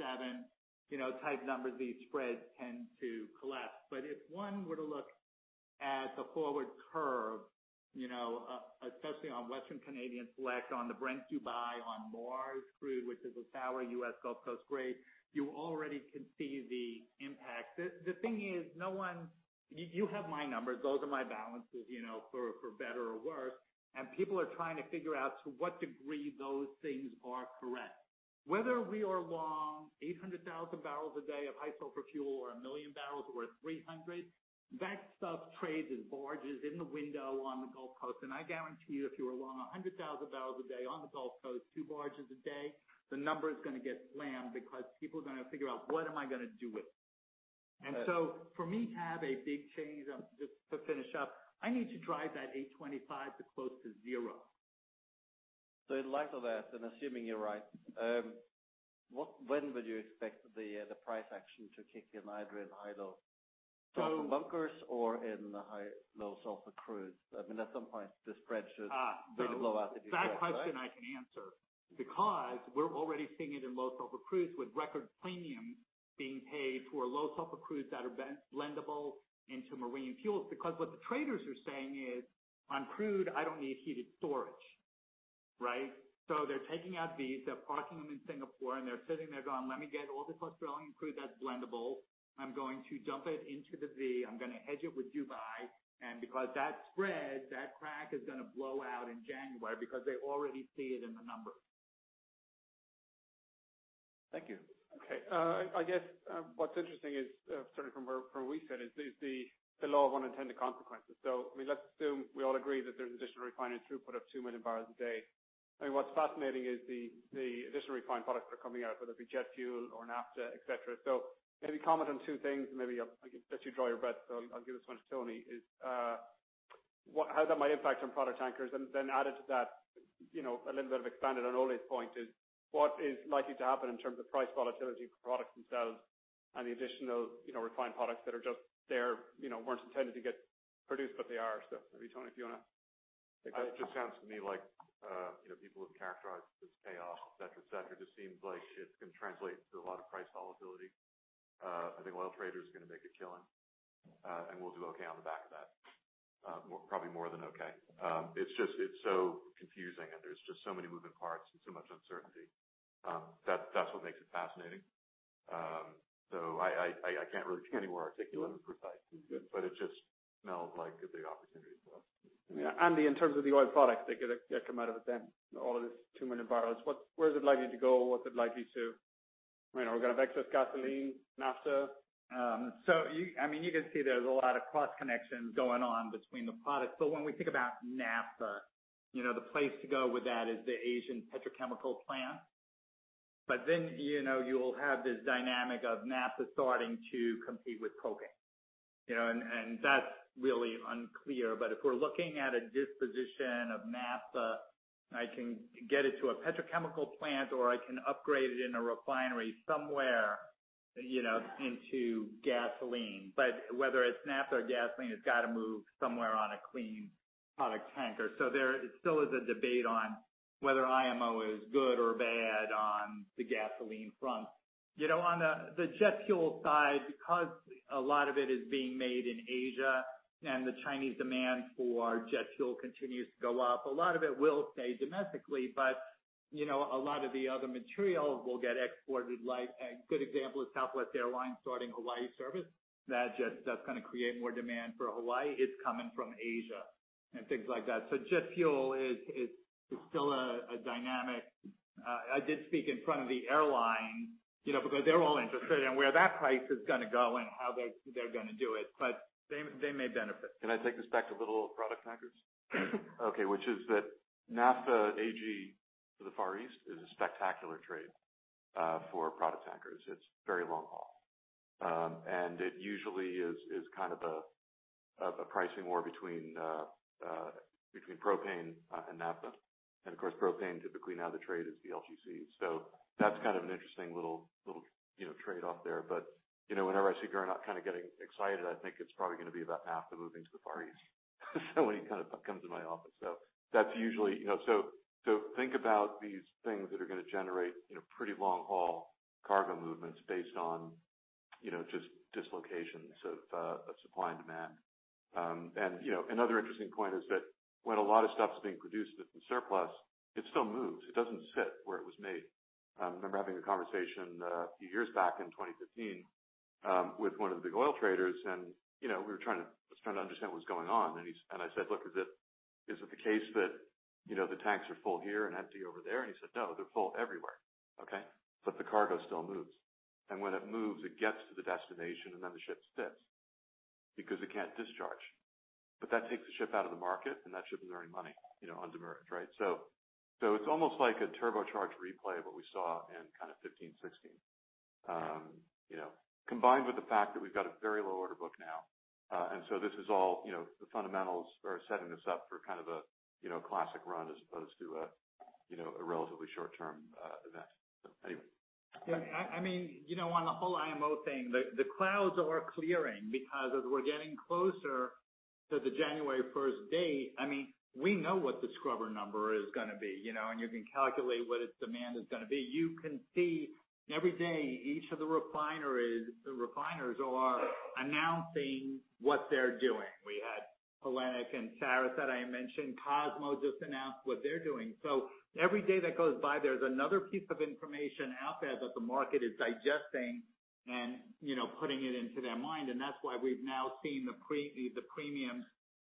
you know, type numbers, these spreads tend to collapse. But if one were to look at the forward curve, you know, especially on Western Canadian Select on the Brent Dubai, on Mars crude, which is a sour US Gulf Coast grade, you already can see the impact. The thing is, no one. You have my numbers. Those are my balances, you know, for, for better or worse. And people are trying to figure out to what degree those things are correct. Whether we are long 800,000 barrels a day of high-sulfur fuel or 1 million barrels or 300, that stuff trades as barges in the window on the Gulf Coast. I guarantee you, if you were long 100,000 barrels a day on the Gulf Coast, 2 barges a day, the number is gonna get slammed because people are gonna figure out, "What am I gonna do with it?" And so for me to have a big change on just to finish up, I need to drive that 825 to close to zero. So it leads to that, and assuming you're right, what, when would you expect the price action to kick in either in high- and low-sulfur bunkers or in the high- and low-sulfur crudes? I mean, at some point, the spread should really blow out the deeper divide. That question, I can answer because we're already seeing it in low-sulfur crudes with record premiums being paid for low-sulfur crudes that are blendable into marine fuels. Because what the traders are saying is, "On crude, I don't need heated storage," right? So they're taking out these. They're parking them in Singapore. And they're sitting there going, "Let me get all this Australian crude that's blendable. I'm going to dump it into the V. I'm gonna hedge it with Dubai." And because that spread, that crack is gonna blow out in January because they already see it in the numbers. Thank you. Okay. I guess what's interesting is, certainly from where we said, is the law of unintended consequences. So I mean, let's assume we all agree that there's additional refining throughput of 2 million barrels a day. I mean, what's fascinating is the additional refined products that are coming out, whether it be jet fuel or naphtha, etc. So maybe comment on two things. And maybe I'll let you draw your breath. So I'll give this one to Tony: what, how that might impact on product tankers. And then added to that, you know, a little bit expanded on Ola's point: what is likely to happen in terms of price volatility for products themselves and the additional, you know, refined products that are just there, you know, weren't intended to get produced, but they are? Maybe, Tony, if you wanna take that. It just sounds to me like, you know, people have characterized this chaos, etc., etc. It just seems like it can translate to a lot of price volatility. I think oil traders are gonna make a killing, and we'll do okay on the back of that, more probably more than okay. It's just so confusing, and there's just so many moving parts and so much uncertainty. That's what makes it fascinating. So I can't really be anywhere articulate or precise. That's good. But it just smells like a big opportunity for us. Yeah. And in terms of the oil products that get come out of it then, all of these 2 million barrels, what, where is it likely to go? What's it likely to? Right now, we're gonna have excess gasoline, naphtha. So, you—I mean, you can see there's a lot of cross-connections going on between the products. But when we think about naphtha, you know, the place to go with that is the Asian petrochemical plant. But then, you know, you'll have this dynamic of naphtha starting to compete with coker. You know, and, and that's really unclear. But if we're looking at a disposition of naphtha, I can get it to a petrochemical plant, or I can upgrade it in a refinery somewhere, you know, into gasoline. But whether it's naphtha or gasoline, it's gotta move somewhere on a clean product tanker. So there it still is a debate on whether IMO is good or bad on the gasoline front. You know, on the jet fuel side, because a lot of it is being made in Asia and the Chinese demand for jet fuel continues to go up, a lot of it will stay domestically. But, you know, a lot of the other materials will get exported. Like, a good example is Southwest Airlines starting Hawaii service. That just, that's gonna create more demand for Hawaii. It's coming from Asia and things like that. So jet fuel is still a dynamic. I did speak in front of the airlines, you know, because they're all interested in where that price is gonna go and how they're gonna do it. But they may benefit. Can I take this back to the little product tankers? Okay. Which is that naphtha to the Far East is a spectacular trade for product tankers. It's very long-haul. And it usually is kind of a pricing war between propane and naphtha. And of course, propane, typically, now the trade is the LPG. So that's kind of an interesting little trade-off there. But, you know, whenever I see Gernot kinda getting excited, I think it's probably gonna be about naphtha moving to the Far East when he kinda comes to my office. So that's usually, you know, so think about these things that are gonna generate, you know, pretty long-haul cargo movements based on, you know, just dislocations of supply and demand. You know, another interesting point is that when a lot of stuff's being produced with the surplus, it still moves. It doesn't sit where it was made. I remember having a conversation a few years back in 2015 with one of the big oil traders. And, you know, we were trying to, I was trying to understand what was going on. And I said, "Look, is it the case that, you know, the tanks are full here and empty over there?" And he said, "No, they're full everywhere, okay? But the cargo still moves. And when it moves, it gets to the destination, and then the ship sits because it can't discharge. But that takes the ship out of the market, and that ship is earning money, you know, on demurrage, right? So it's almost like a turbocharged replay of what we saw in kinda 2015, 2016, you know, combined with the fact that we've got a very low order book now. And so this is all, you know, the fundamentals are setting this up for kind of a, you know, classic run as opposed to a, you know, a relatively short-term event. So anyway. Yeah. I mean, you know, on the whole IMO thing, the clouds are clearing because as we're getting closer to the January 1st date, I mean, we know what the scrubber number is gonna be, you know? And you can calculate what its demand is gonna be. You can see every day, each of the refineries the refiners are announcing what they're doing. We had Hellenic and Saras that I mentioned. Cosmo just announced what they're doing. So every day that goes by, there's another piece of information out there that the market is digesting and, you know, putting it into their mind. And that's why we've now seen the premiums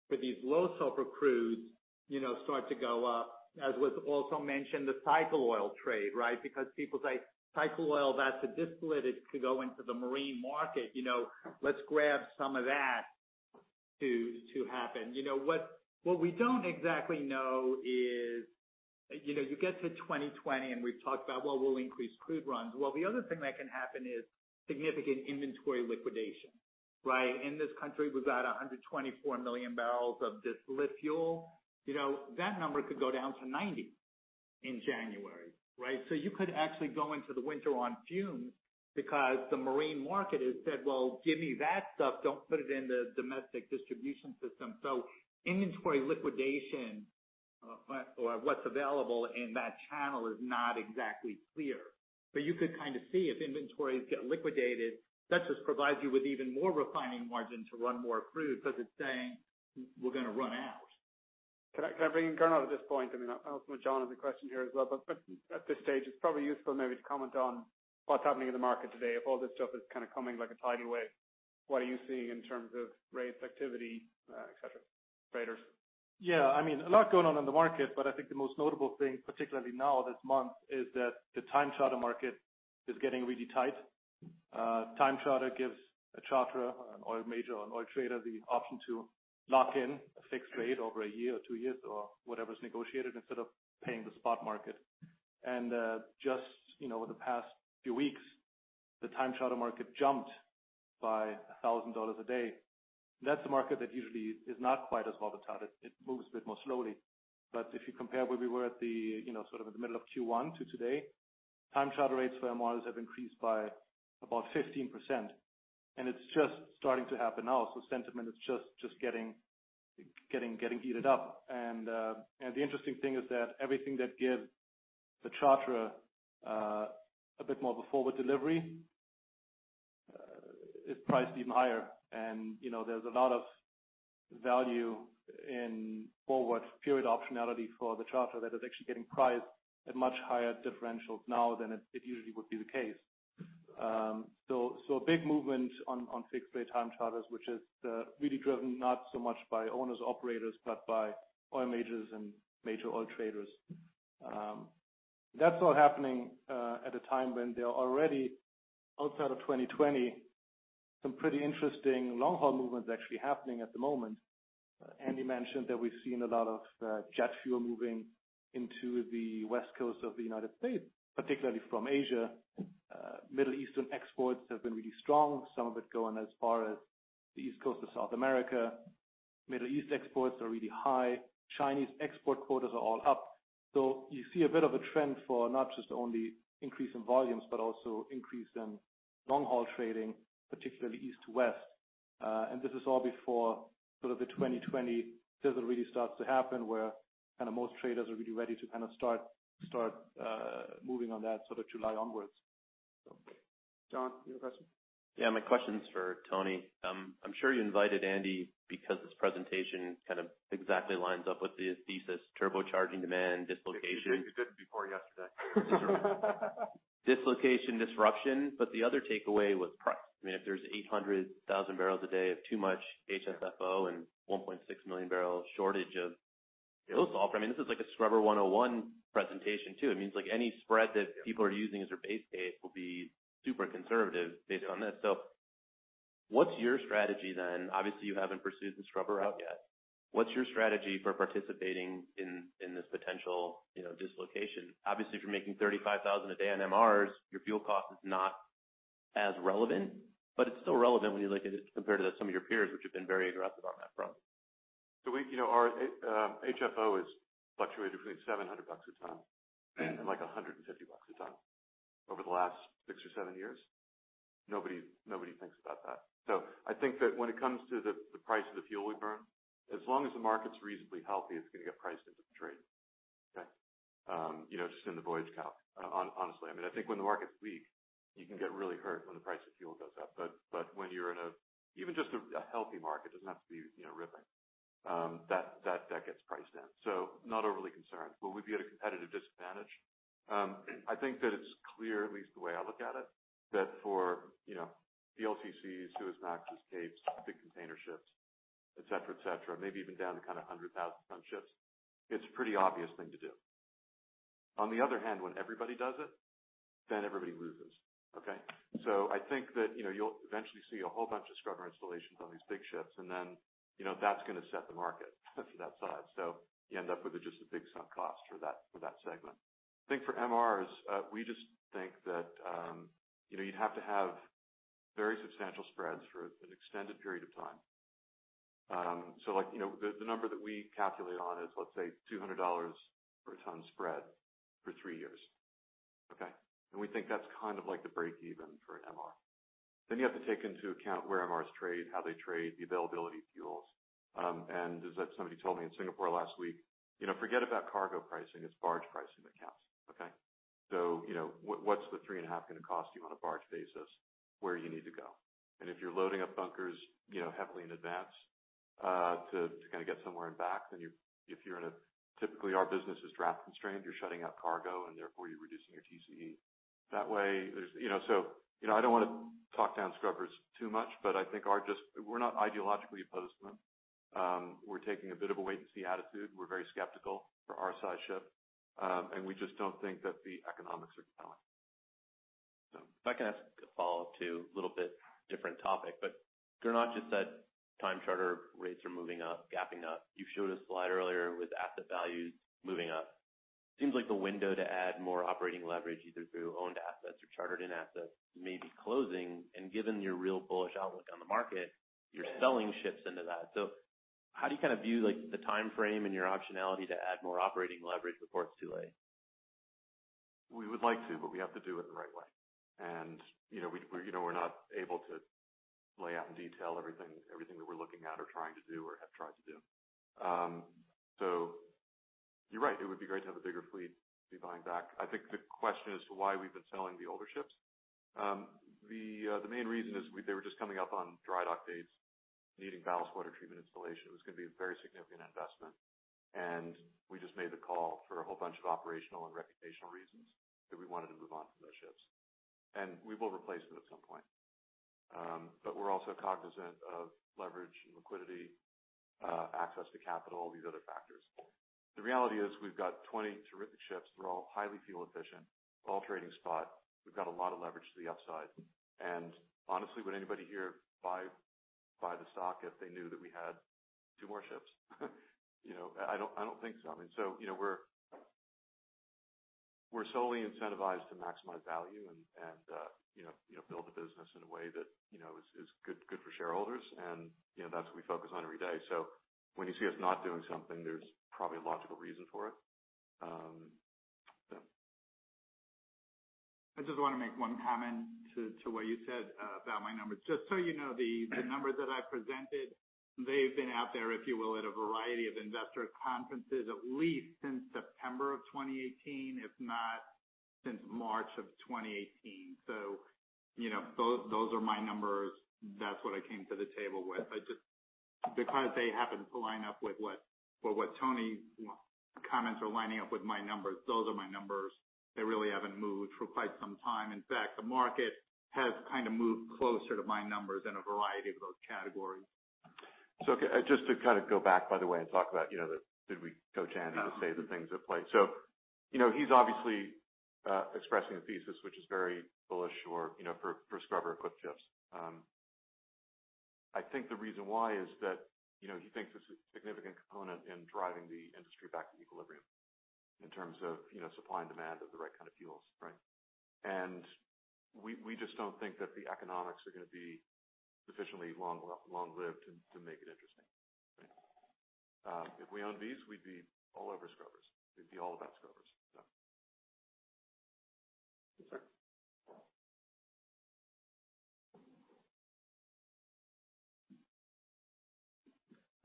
for these low-sulfur crudes, you know, start to go up, as was also mentioned, the cycle oil trade, right? Because people say, "Cycle oil, that's a distillate. It could go into the marine market. You know, let's grab some of that to, to happen." You know, what, what we don't exactly know is, you know, you get to 2020, and we've talked about, "Well, we'll increase crude runs." Well, the other thing that can happen is significant inventory liquidation, right? In this country, we've got 124 million barrels of distillate fuel. You know, that number could go down to 90 in January, right? So you could actually go into the winter on fumes because the marine market has said, "Well, give me that stuff. Don't put it in the domestic distribution system." So inventory liquidation, or what's available in that channel is not exactly clear. But you could kinda see if inventories get liquidated, that just provides you with even more refining margin to run more crude 'cause it's saying, "We're gonna run out. Can I bring in Gernot at this point? I mean, I'll throw John in the question here as well. But at this stage, it's probably useful maybe to comment on what's happening in the market today. If all this stuff is kinda coming like a tidal wave, what are you seeing in terms of rates activity, etc., traders? Yeah. I mean, a lot going on in the market. But I think the most notable thing, particularly now this month, is that the time charter market is getting really tight. Time charter gives a charter, an oil major, an oil trader, the option to lock in a fixed rate over a year or two years or whatever's negotiated instead of paying the spot market. And, just, you know, over the past few weeks, the time charter market jumped by $1,000 a day. That's a market that usually is not quite as volatile. It, it moves a bit more slowly. But if you compare where we were at the, you know, sort of in the middle of Q1 to today, time charter rates for MRs have increased by about 15%. And it's just starting to happen now. So sentiment is just, just getting, getting heated up. The interesting thing is that everything that gives the charter a bit more of a forward delivery is priced even higher. You know, there's a lot of value in forward period optionality for the charter that is actually getting priced at much higher differentials now than it usually would be the case. So a big movement on fixed-rate time charters, which is really driven not so much by owners, operators, but by oil majors and major oil traders. That's all happening at a time when there are already, outside of 2020, some pretty interesting long-haul movements actually happening at the moment. Andrew mentioned that we've seen a lot of jet fuel moving into the West Coast of the United States, particularly from Asia. Middle Eastern exports have been really strong. Some of it going as far as the East Coast of South America. Middle East exports are really high. Chinese export quotas are all up. So you see a bit of a trend for not just only increase in volumes but also increase in long-haul trading, particularly east to west. And this is all before sort of the 2020 season really starts to happen where kinda most traders are really ready to kinda start moving on that sort of July onwards. John, you have a question? Yeah. My question's for Tony. I'm sure you invited Andrew because his presentation kinda exactly lines up with the thesis turbocharging demand, dislocation. You did, you did before yesterday. Dislocation, disruption. But the other takeaway was price. I mean, if there's 800,000 barrels a day of too much HSFO and 1.6 million-barrel shortage of low-sulfur. I mean, this is like a Scrubber 101 presentation too. It means, like, any spread that people are using as their base case will be super conservative based on this. So what's your strategy then? Obviously, you haven't pursued the scrubber out yet. What's your strategy for participating in this potential, you know, dislocation? Obviously, if you're making $35,000 a day on MRs, your fuel cost is not as relevant. But it's still relevant when you look at it compared to some of your peers, which have been very aggressive on that front. So we, you know, our HFO has fluctuated between $700 a ton and like $150 a ton over the last six or seven years. Nobody thinks about that. So I think that when it comes to the price of the fuel we burn, as long as the market's reasonably healthy, it's gonna get priced into the trade, okay? You know, just in the voyage calc, honestly. I mean, I think when the market's weak, you can get really hurt when the price of fuel goes up. But when you're in an even just a healthy market, it doesn't have to be, you know, ripping. That gets priced in. So not overly concerned. Will we be at a competitive disadvantage? I think that it's clear, at least the way I look at it, that for, you know, VLCCs, Suezmax, Capes, big container ships, etc., etc., maybe even down to kinda 100,000-ton ships, it's a pretty obvious thing to do. On the other hand, when everybody does it, then everybody loses, okay? So I think that, you know, you'll eventually see a whole bunch of scrubber installations on these big ships. And then, you know, that's gonna set the market for that side. So you end up with just a big sunk cost for that segment. I think for MRs, we just think that, you know, you'd have to have very substantial spreads for an extended period of time. So, like, you know, the number that we calculate on is, let's say, $200 per ton spread for three years, okay? We think that's kind of like the break-even for an MR. Then you have to take into account where MRs trade, how they trade, the availability of fuels. And as somebody told me in Singapore last week, you know, forget about cargo pricing. It's barge pricing that counts, okay? So, you know, what, what's the 3.5 gonna cost you on a barge basis where you need to go? And if you're loading up bunkers, you know, heavily in advance, to kinda get somewhere in back, then if you're typically, our business is draft-constrained. You're shutting out cargo, and therefore, you're reducing your TCE. That way, you know, so, you know, I don't wanna talk down scrubbers too much. But I think we're just not ideologically opposed to them. We're taking a bit of a wait-and-see attitude. We're very skeptical for our size ship. We just don't think that the economics are compelling, so. If I can ask a follow-up to a little bit different topic. But Gernot just said time charter rates are moving up, gapping up. You showed a slide earlier with asset values moving up. Seems like the window to add more operating leverage, either through owned assets or chartered-in assets, may be closing. And given your real bullish outlook on the market, you're selling ships into that. So how do you kinda view, like, the time frame and your optionality to add more operating leverage before it's too late? We would like to, but we have to do it the right way. You know, we're, we're you know, we're not able to lay out in detail everything, everything that we're looking at or trying to do or have tried to do. So you're right. It would be great to have a bigger fleet to be buying back. I think the question as to why we've been selling the older ships, the, the main reason is we they were just coming up on dry dock dates, needing ballast water treatment installation. It was gonna be a very significant investment. And we just made the call for a whole bunch of operational and reputational reasons that we wanted to move on from those ships. And we will replace them at some point. But we're also cognizant of leverage and liquidity, access to capital, these other factors. The reality is, we've got 20 terrific ships. They're all highly fuel-efficient, all trading spot. We've got a lot of leverage to the upside. And honestly, would anybody here buy the stock if they knew that we had 2 more ships? You know, I don't think so. I mean, so, you know, we're solely incentivized to maximize value and, you know, build a business in a way that, you know, is good for shareholders. And, you know, that's what we focus on every day. So when you see us not doing something, there's probably a logical reason for it. I just wanna make one comment to what you said, about my numbers. Just so you know, the numbers that I presented, they've been out there, if you will, at a variety of investor conferences, at least since September of 2018, if not since March of 2018. So, you know, those are my numbers. That's what I came to the table with. I just because they happen to line up with what, well, what Tony's comments are lining up with my numbers, those are my numbers. They really haven't moved for quite some time. In fact, the market has kinda moved closer to my numbers in a variety of those categories. So okay. Just to kinda go back, by the way, and talk about, you know, the did we coach Andrew to say the things at play? So, you know, he's obviously expressing a thesis which is very bullish or, you know, for, for scrubber-equipped ships. I think the reason why is that, you know, he thinks it's a significant component in driving the industry back to equilibrium in terms of, you know, supply and demand of the right kind of fuels, right? And we, we just don't think that the economics are gonna be sufficiently long-lived to, to make it interesting, right? If we owned these, we'd be all over scrubbers. We'd be all about scrubbers, so.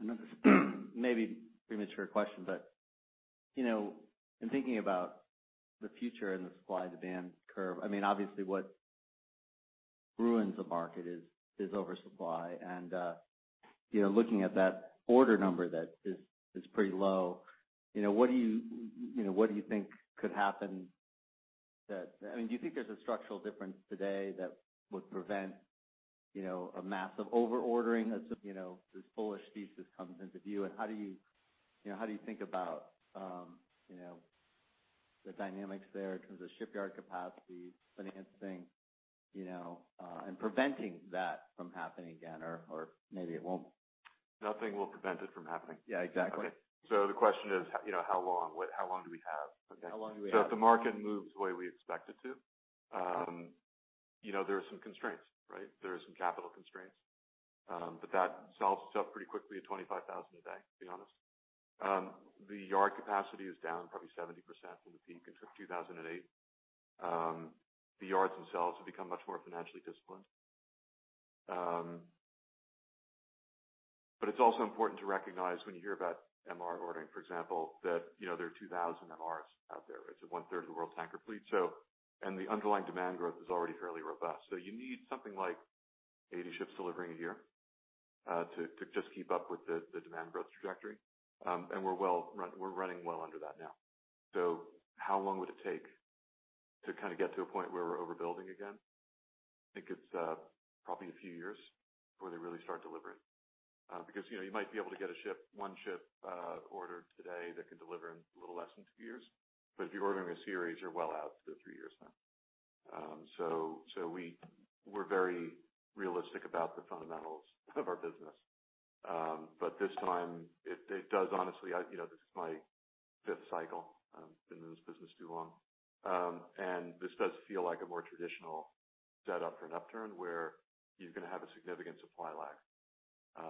I know this may be a premature question. But, you know, in thinking about the future and the supply-demand curve, I mean, obviously, what ruins a market is oversupply. And, you know, looking at that order number that is pretty low, you know, what do you, you know, what do you think could happen that I mean, do you think there's a structural difference today that would prevent, you know, a massive overordering? You know, this bullish thesis comes into view. And how do you, you know, how do you think about, you know, the dynamics there in terms of shipyard capacity, financing, you know, and preventing that from happening again? Or, or maybe it won't. Nothing will prevent it from happening. Yeah. Exactly. Okay. The question is, you know, how long do we have, okay? How long do we have? So if the market moves the way we expect it to, you know, there are some constraints, right? There are some capital constraints. But that solves itself pretty quickly at $25,000 a day, to be honest. The yard capacity is down probably 70% from the peak in 2008. The yards themselves have become much more financially disciplined. But it's also important to recognize when you hear about MR ordering, for example, that, you know, there are 2,000 MRs out there, right? It's one third of the world tanker fleet. So and the underlying demand growth is already fairly robust. So you need something like 80 ships delivering a year, to, to just keep up with the, the demand growth trajectory. And we're well run we're running well under that now. So how long would it take to kinda get to a point where we're overbuilding again? I think it's probably a few years before they really start delivering, because, you know, you might be able to get a ship, one ship, ordered today that can deliver in a little less than 2 years. But if you're ordering a series, you're well out to the 3 years now. So we're very realistic about the fundamentals of our business. But this time, it does honestly. I, you know, this is my fifth cycle. I've been in this business too long, and this does feel like a more traditional setup for an upturn where you're gonna have a significant supply lag.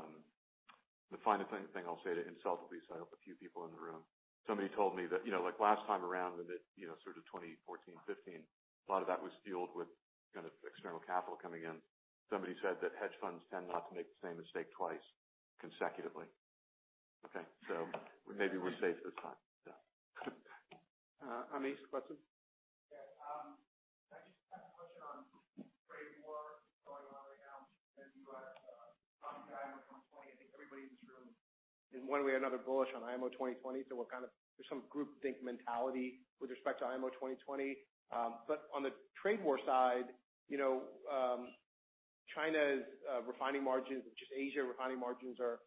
The final thing I'll say to insult at least, I hope, a few people in the room. Somebody told me that, you know, like, last time around in the, you know, sort of 2014, 2015, a lot of that was fueled with kind of external capital coming in. Somebody said that hedge funds tend not to make the same mistake twice consecutively, okay? So maybe we're safe this time, yeah. Amish, question? Yeah. I just had a question on trade war going on right now in the US, about the IMO 2020. I think everybody in this room is, in one way or another, bullish on IMO 2020. So there's some groupthink mentality with respect to IMO 2020. But on the trade war side, you know, China's refining margins, just Asia refining margins are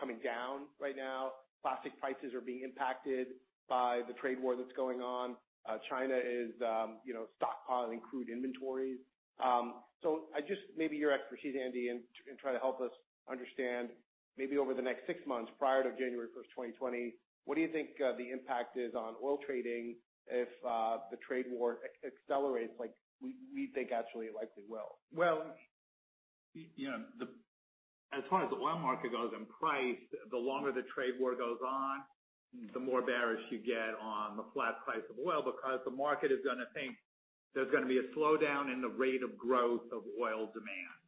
coming down right now. Plastic prices are being impacted by the trade war that's going on. China is, you know, stockpiling crude inventories. So I just maybe your expertise, Andrew, and try to help us understand maybe over the next six months prior to January 1st, 2020, what do you think the impact is on oil trading if the trade war accelerates? Like, we think, actually, it likely will. Well, you know, as far as the oil market goes and price, the longer the trade war goes on, the more bearish you get on the flat price of oil because the market is gonna think there's gonna be a slowdown in the rate of growth of oil demand.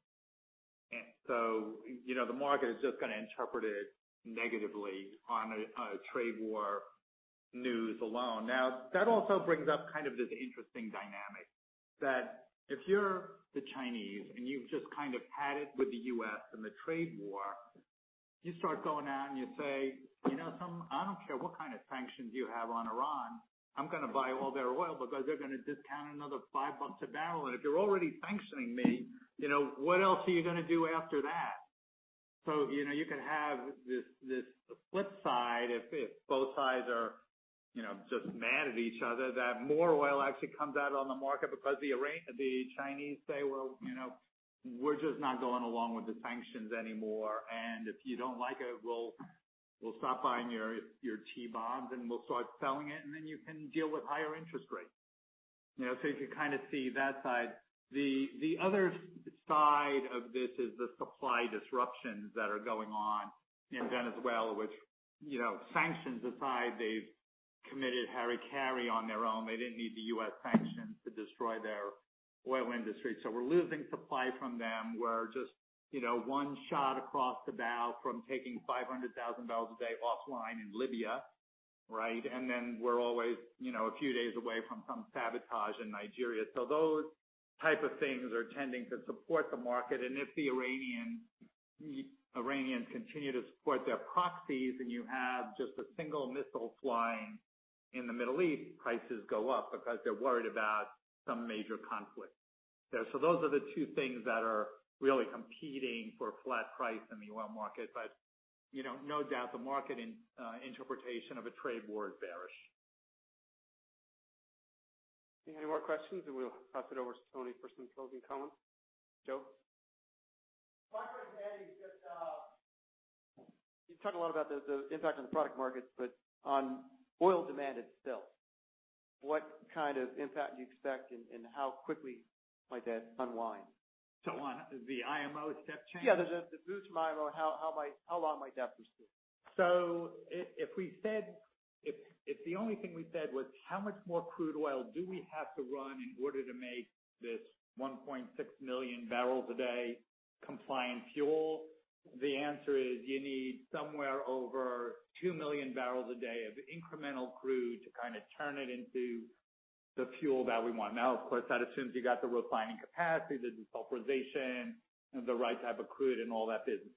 And so, you know, the market is just gonna interpret it negatively on a trade war news alone. Now, that also brings up kind of this interesting dynamic that if you're the Chinese and you've just kind of had it with the U.S. and the trade war, you start going out, and you say, "You know, so I don't care what kind of sanctions you have on Iran. I'm gonna buy all their oil because they're gonna discount another $5 a barrel. And if you're already sanctioning me, you know, what else are you gonna do after that?" So, you know, you could have this, this flip side if, if both sides are, you know, just mad at each other, that more oil actually comes out on the market because the Iranians, the Chinese say, "Well, you know, we're just not going along with the sanctions anymore. And if you don't like it, we'll, we'll stop buying your, your T-bonds, and we'll start selling it. And then you can deal with higher interest rates." You know, so you could kinda see that side. The, the other side of this is the supply disruptions that are going on in Venezuela, which, you know, sanctions aside, they've committed hara-kiri on their own. They didn't need the US sanctions to destroy their oil industry. So we're losing supply from them. We're just, you know, one shot across the bow from taking 500,000 barrels a day offline in Libya, right? And then we're always, you know, a few days away from some sabotage in Nigeria. So those type of things are tending to support the market. And if the Iranians continue to support their proxies, and you have just a single missile flying in the Middle East, prices go up because they're worried about some major conflict there. So those are the two things that are really competing for flat price in the oil market. But, you know, no doubt, the market's interpretation of a trade war is bearish. Any more questions? We'll pass it over to Tony for some closing comments. Joe? My question, Andrew, is just, you talked a lot about the impact on the product markets. But on oil demand itself, what kind of impact do you expect and how quickly might that unwind? On the IMO step change? Yeah. The boost from IMO, how long might that proceed? So if we said, if the only thing we said was, "How much more crude oil do we have to run in order to make this 1.6 million barrels a day compliant fuel?" the answer is, you need somewhere over 2 million barrels a day of incremental crude to kinda turn it into the fuel that we want. Now, of course, that assumes you got the refining capacity, the desulfurization, the right type of crude, and all that business.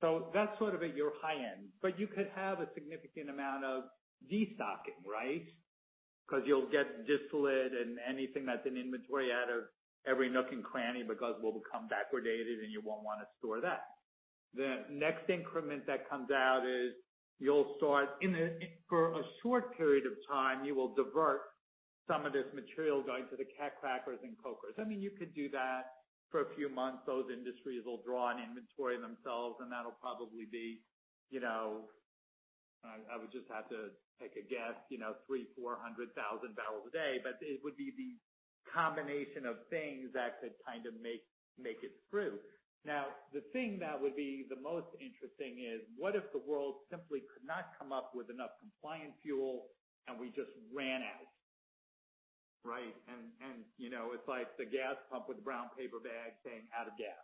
So that's sort of at your high end. But you could have a significant amount of destocking, right, 'cause you'll get distillate and anything that's in inventory out of every nook and cranny because we'll become backwardated, and you won't wanna store that. The next increment that comes out is, you'll start in the interim for a short period of time, you will divert some of this material going to the catcrackers and cokers. I mean, you could do that for a few months. Those industries will draw on inventory themselves. And that'll probably be, you know, I would just have to take a guess, you know, 300,000-400,000 barrels a day. But it would be the combination of things that could kinda make it through. Now, the thing that would be the most interesting is, what if the world simply could not come up with enough compliant fuel, and we just ran out, right? You know, it's like the gas pump with the brown paper bag saying, "Out of gas."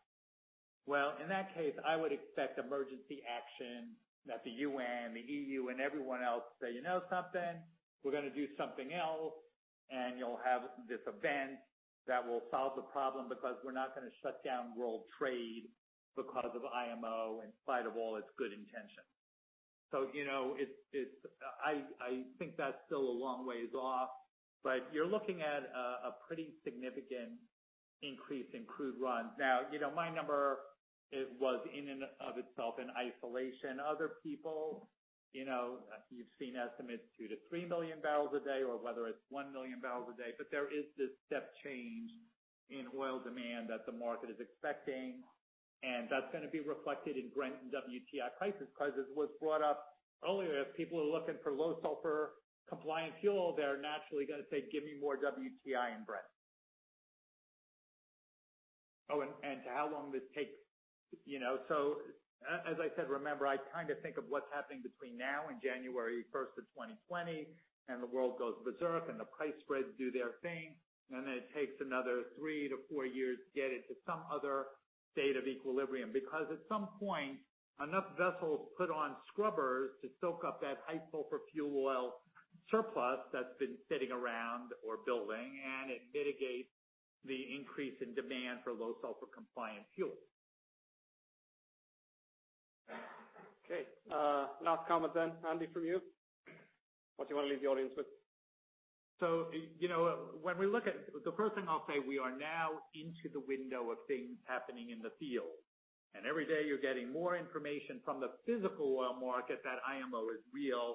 Well, in that case, I would expect emergency action that the UN, the EU, and everyone else say, "You know something? We're gonna do something else. And you'll have this event that will solve the problem because we're not gonna shut down world trade because of IMO in spite of all its good intentions." So, you know, it's, I think that's still a long ways off. But you're looking at a pretty significant increase in crude runs. Now, you know, my number, it was in and of itself in isolation. Other people, you know, you've seen estimates 2-3 million barrels a day or whether it's 1 million barrels a day. But there is this step change in oil demand that the market is expecting. And that's gonna be reflected in Brent and WTI prices 'cause as was brought up earlier, if people are looking for low-sulfur compliant fuel, they're naturally gonna say, "Give me more WTI and Brent." Oh, and to how long this takes, you know, so as I said, remember, I kinda think of what's happening between now and January 1st of 2020. And the world goes berserk. And the price spreads do their thing. And then it takes another 3-4 years to get it to some other state of equilibrium because at some point, enough vessels put on scrubbers to soak up that high-sulfur fuel oil surplus that's been sitting around or building. And it mitigates the increase in demand for low-sulfur compliant fuel. Okay. Last comment then, Andrew, from you. What do you wanna leave the audience with? So, you know, when we look at the first thing I'll say, we are now into the window of things happening in the field. Every day, you're getting more information from the physical oil market that IMO is real.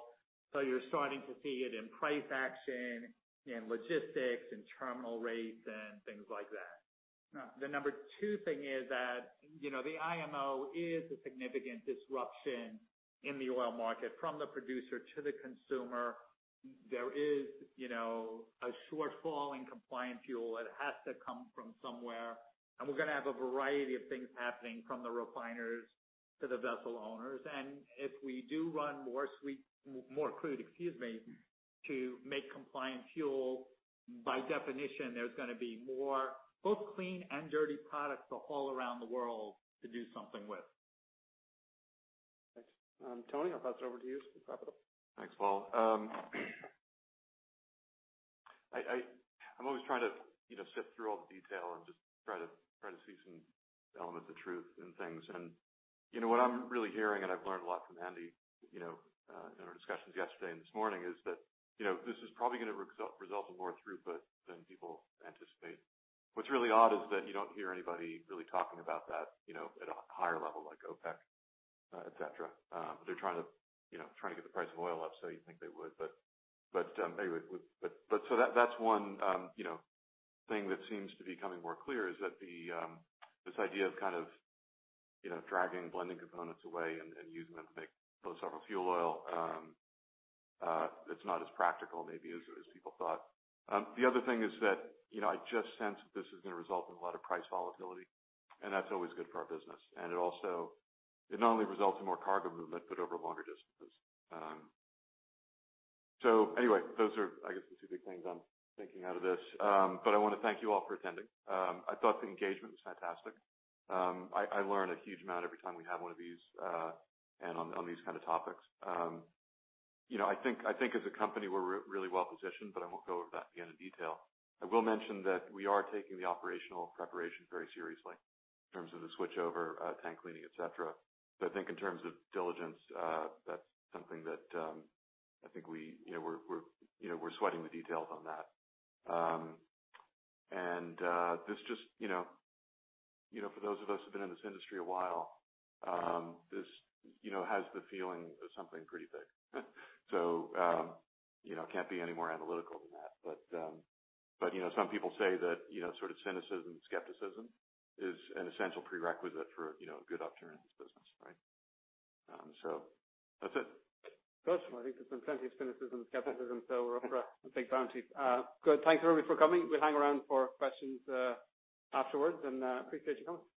You're starting to see it in price action and logistics and terminal rates and things like that. Now, the number two thing is that, you know, the IMO is a significant disruption in the oil market from the producer to the consumer. There is, you know, a shortfall in compliant fuel. It has to come from somewhere. And we're gonna have a variety of things happening from the refiners to the vessel owners. And if we do run more sweet, more crude, excuse me, to make compliant fuel, by definition, there's gonna be more both clean and dirty products the whole around the world to do something with. Thanks. Tony, I'll pass it over to you to wrap it up. Thanks, Paul. I'm always trying to, you know, sift through all the detail and just try to see some elements of truth in things. You know, what I'm really hearing - and I've learned a lot from Andrew, you know, in our discussions yesterday and this morning - is that, you know, this is probably gonna result in more throughput than people anticipate. What's really odd is that you don't hear anybody really talking about that, you know, at a higher level like OPEC, etc., they're trying to you know, trying to get the price of oil up so you think they would. But anyway, that's one, you know, thing that seems to be coming more clear is that this idea of kind of, you know, dragging blending components away and using them to make low-sulfur fuel oil. It's not as practical maybe as people thought. The other thing is that, you know, I just sense that this is gonna result in a lot of price volatility. And that's always good for our business. And it also not only results in more cargo movement but over longer distances. So anyway, those are, I guess, the two big things I'm thinking out of this. I wanna thank you all for attending. I thought the engagement was fantastic. I learn a huge amount every time we have one of these, and on these kinda topics. You know, I think as a company, we're really well positioned. But I won't go over that again in detail. I will mention that we are taking the operational preparation very seriously in terms of the switchover, tank cleaning, etc. But I think in terms of diligence, that's something that, I think we, you know, we're sweating the details on that. And this just, you know, for those of us who've been in this industry a while, this, you know, has the feeling of something pretty big. So, you know, I can't be any more analytical than that. But, you know, some people say that, you know, sort of cynicism and skepticism is an essential prerequisite for, you know, a good upturn in this business, right? So that's it. Awesome. I think there's been plenty of cynicism and skepticism. So we're up for a big bounty. Good. Thanks, everybody, for coming. We'll hang around for questions, afterward. And, appreciate your comments.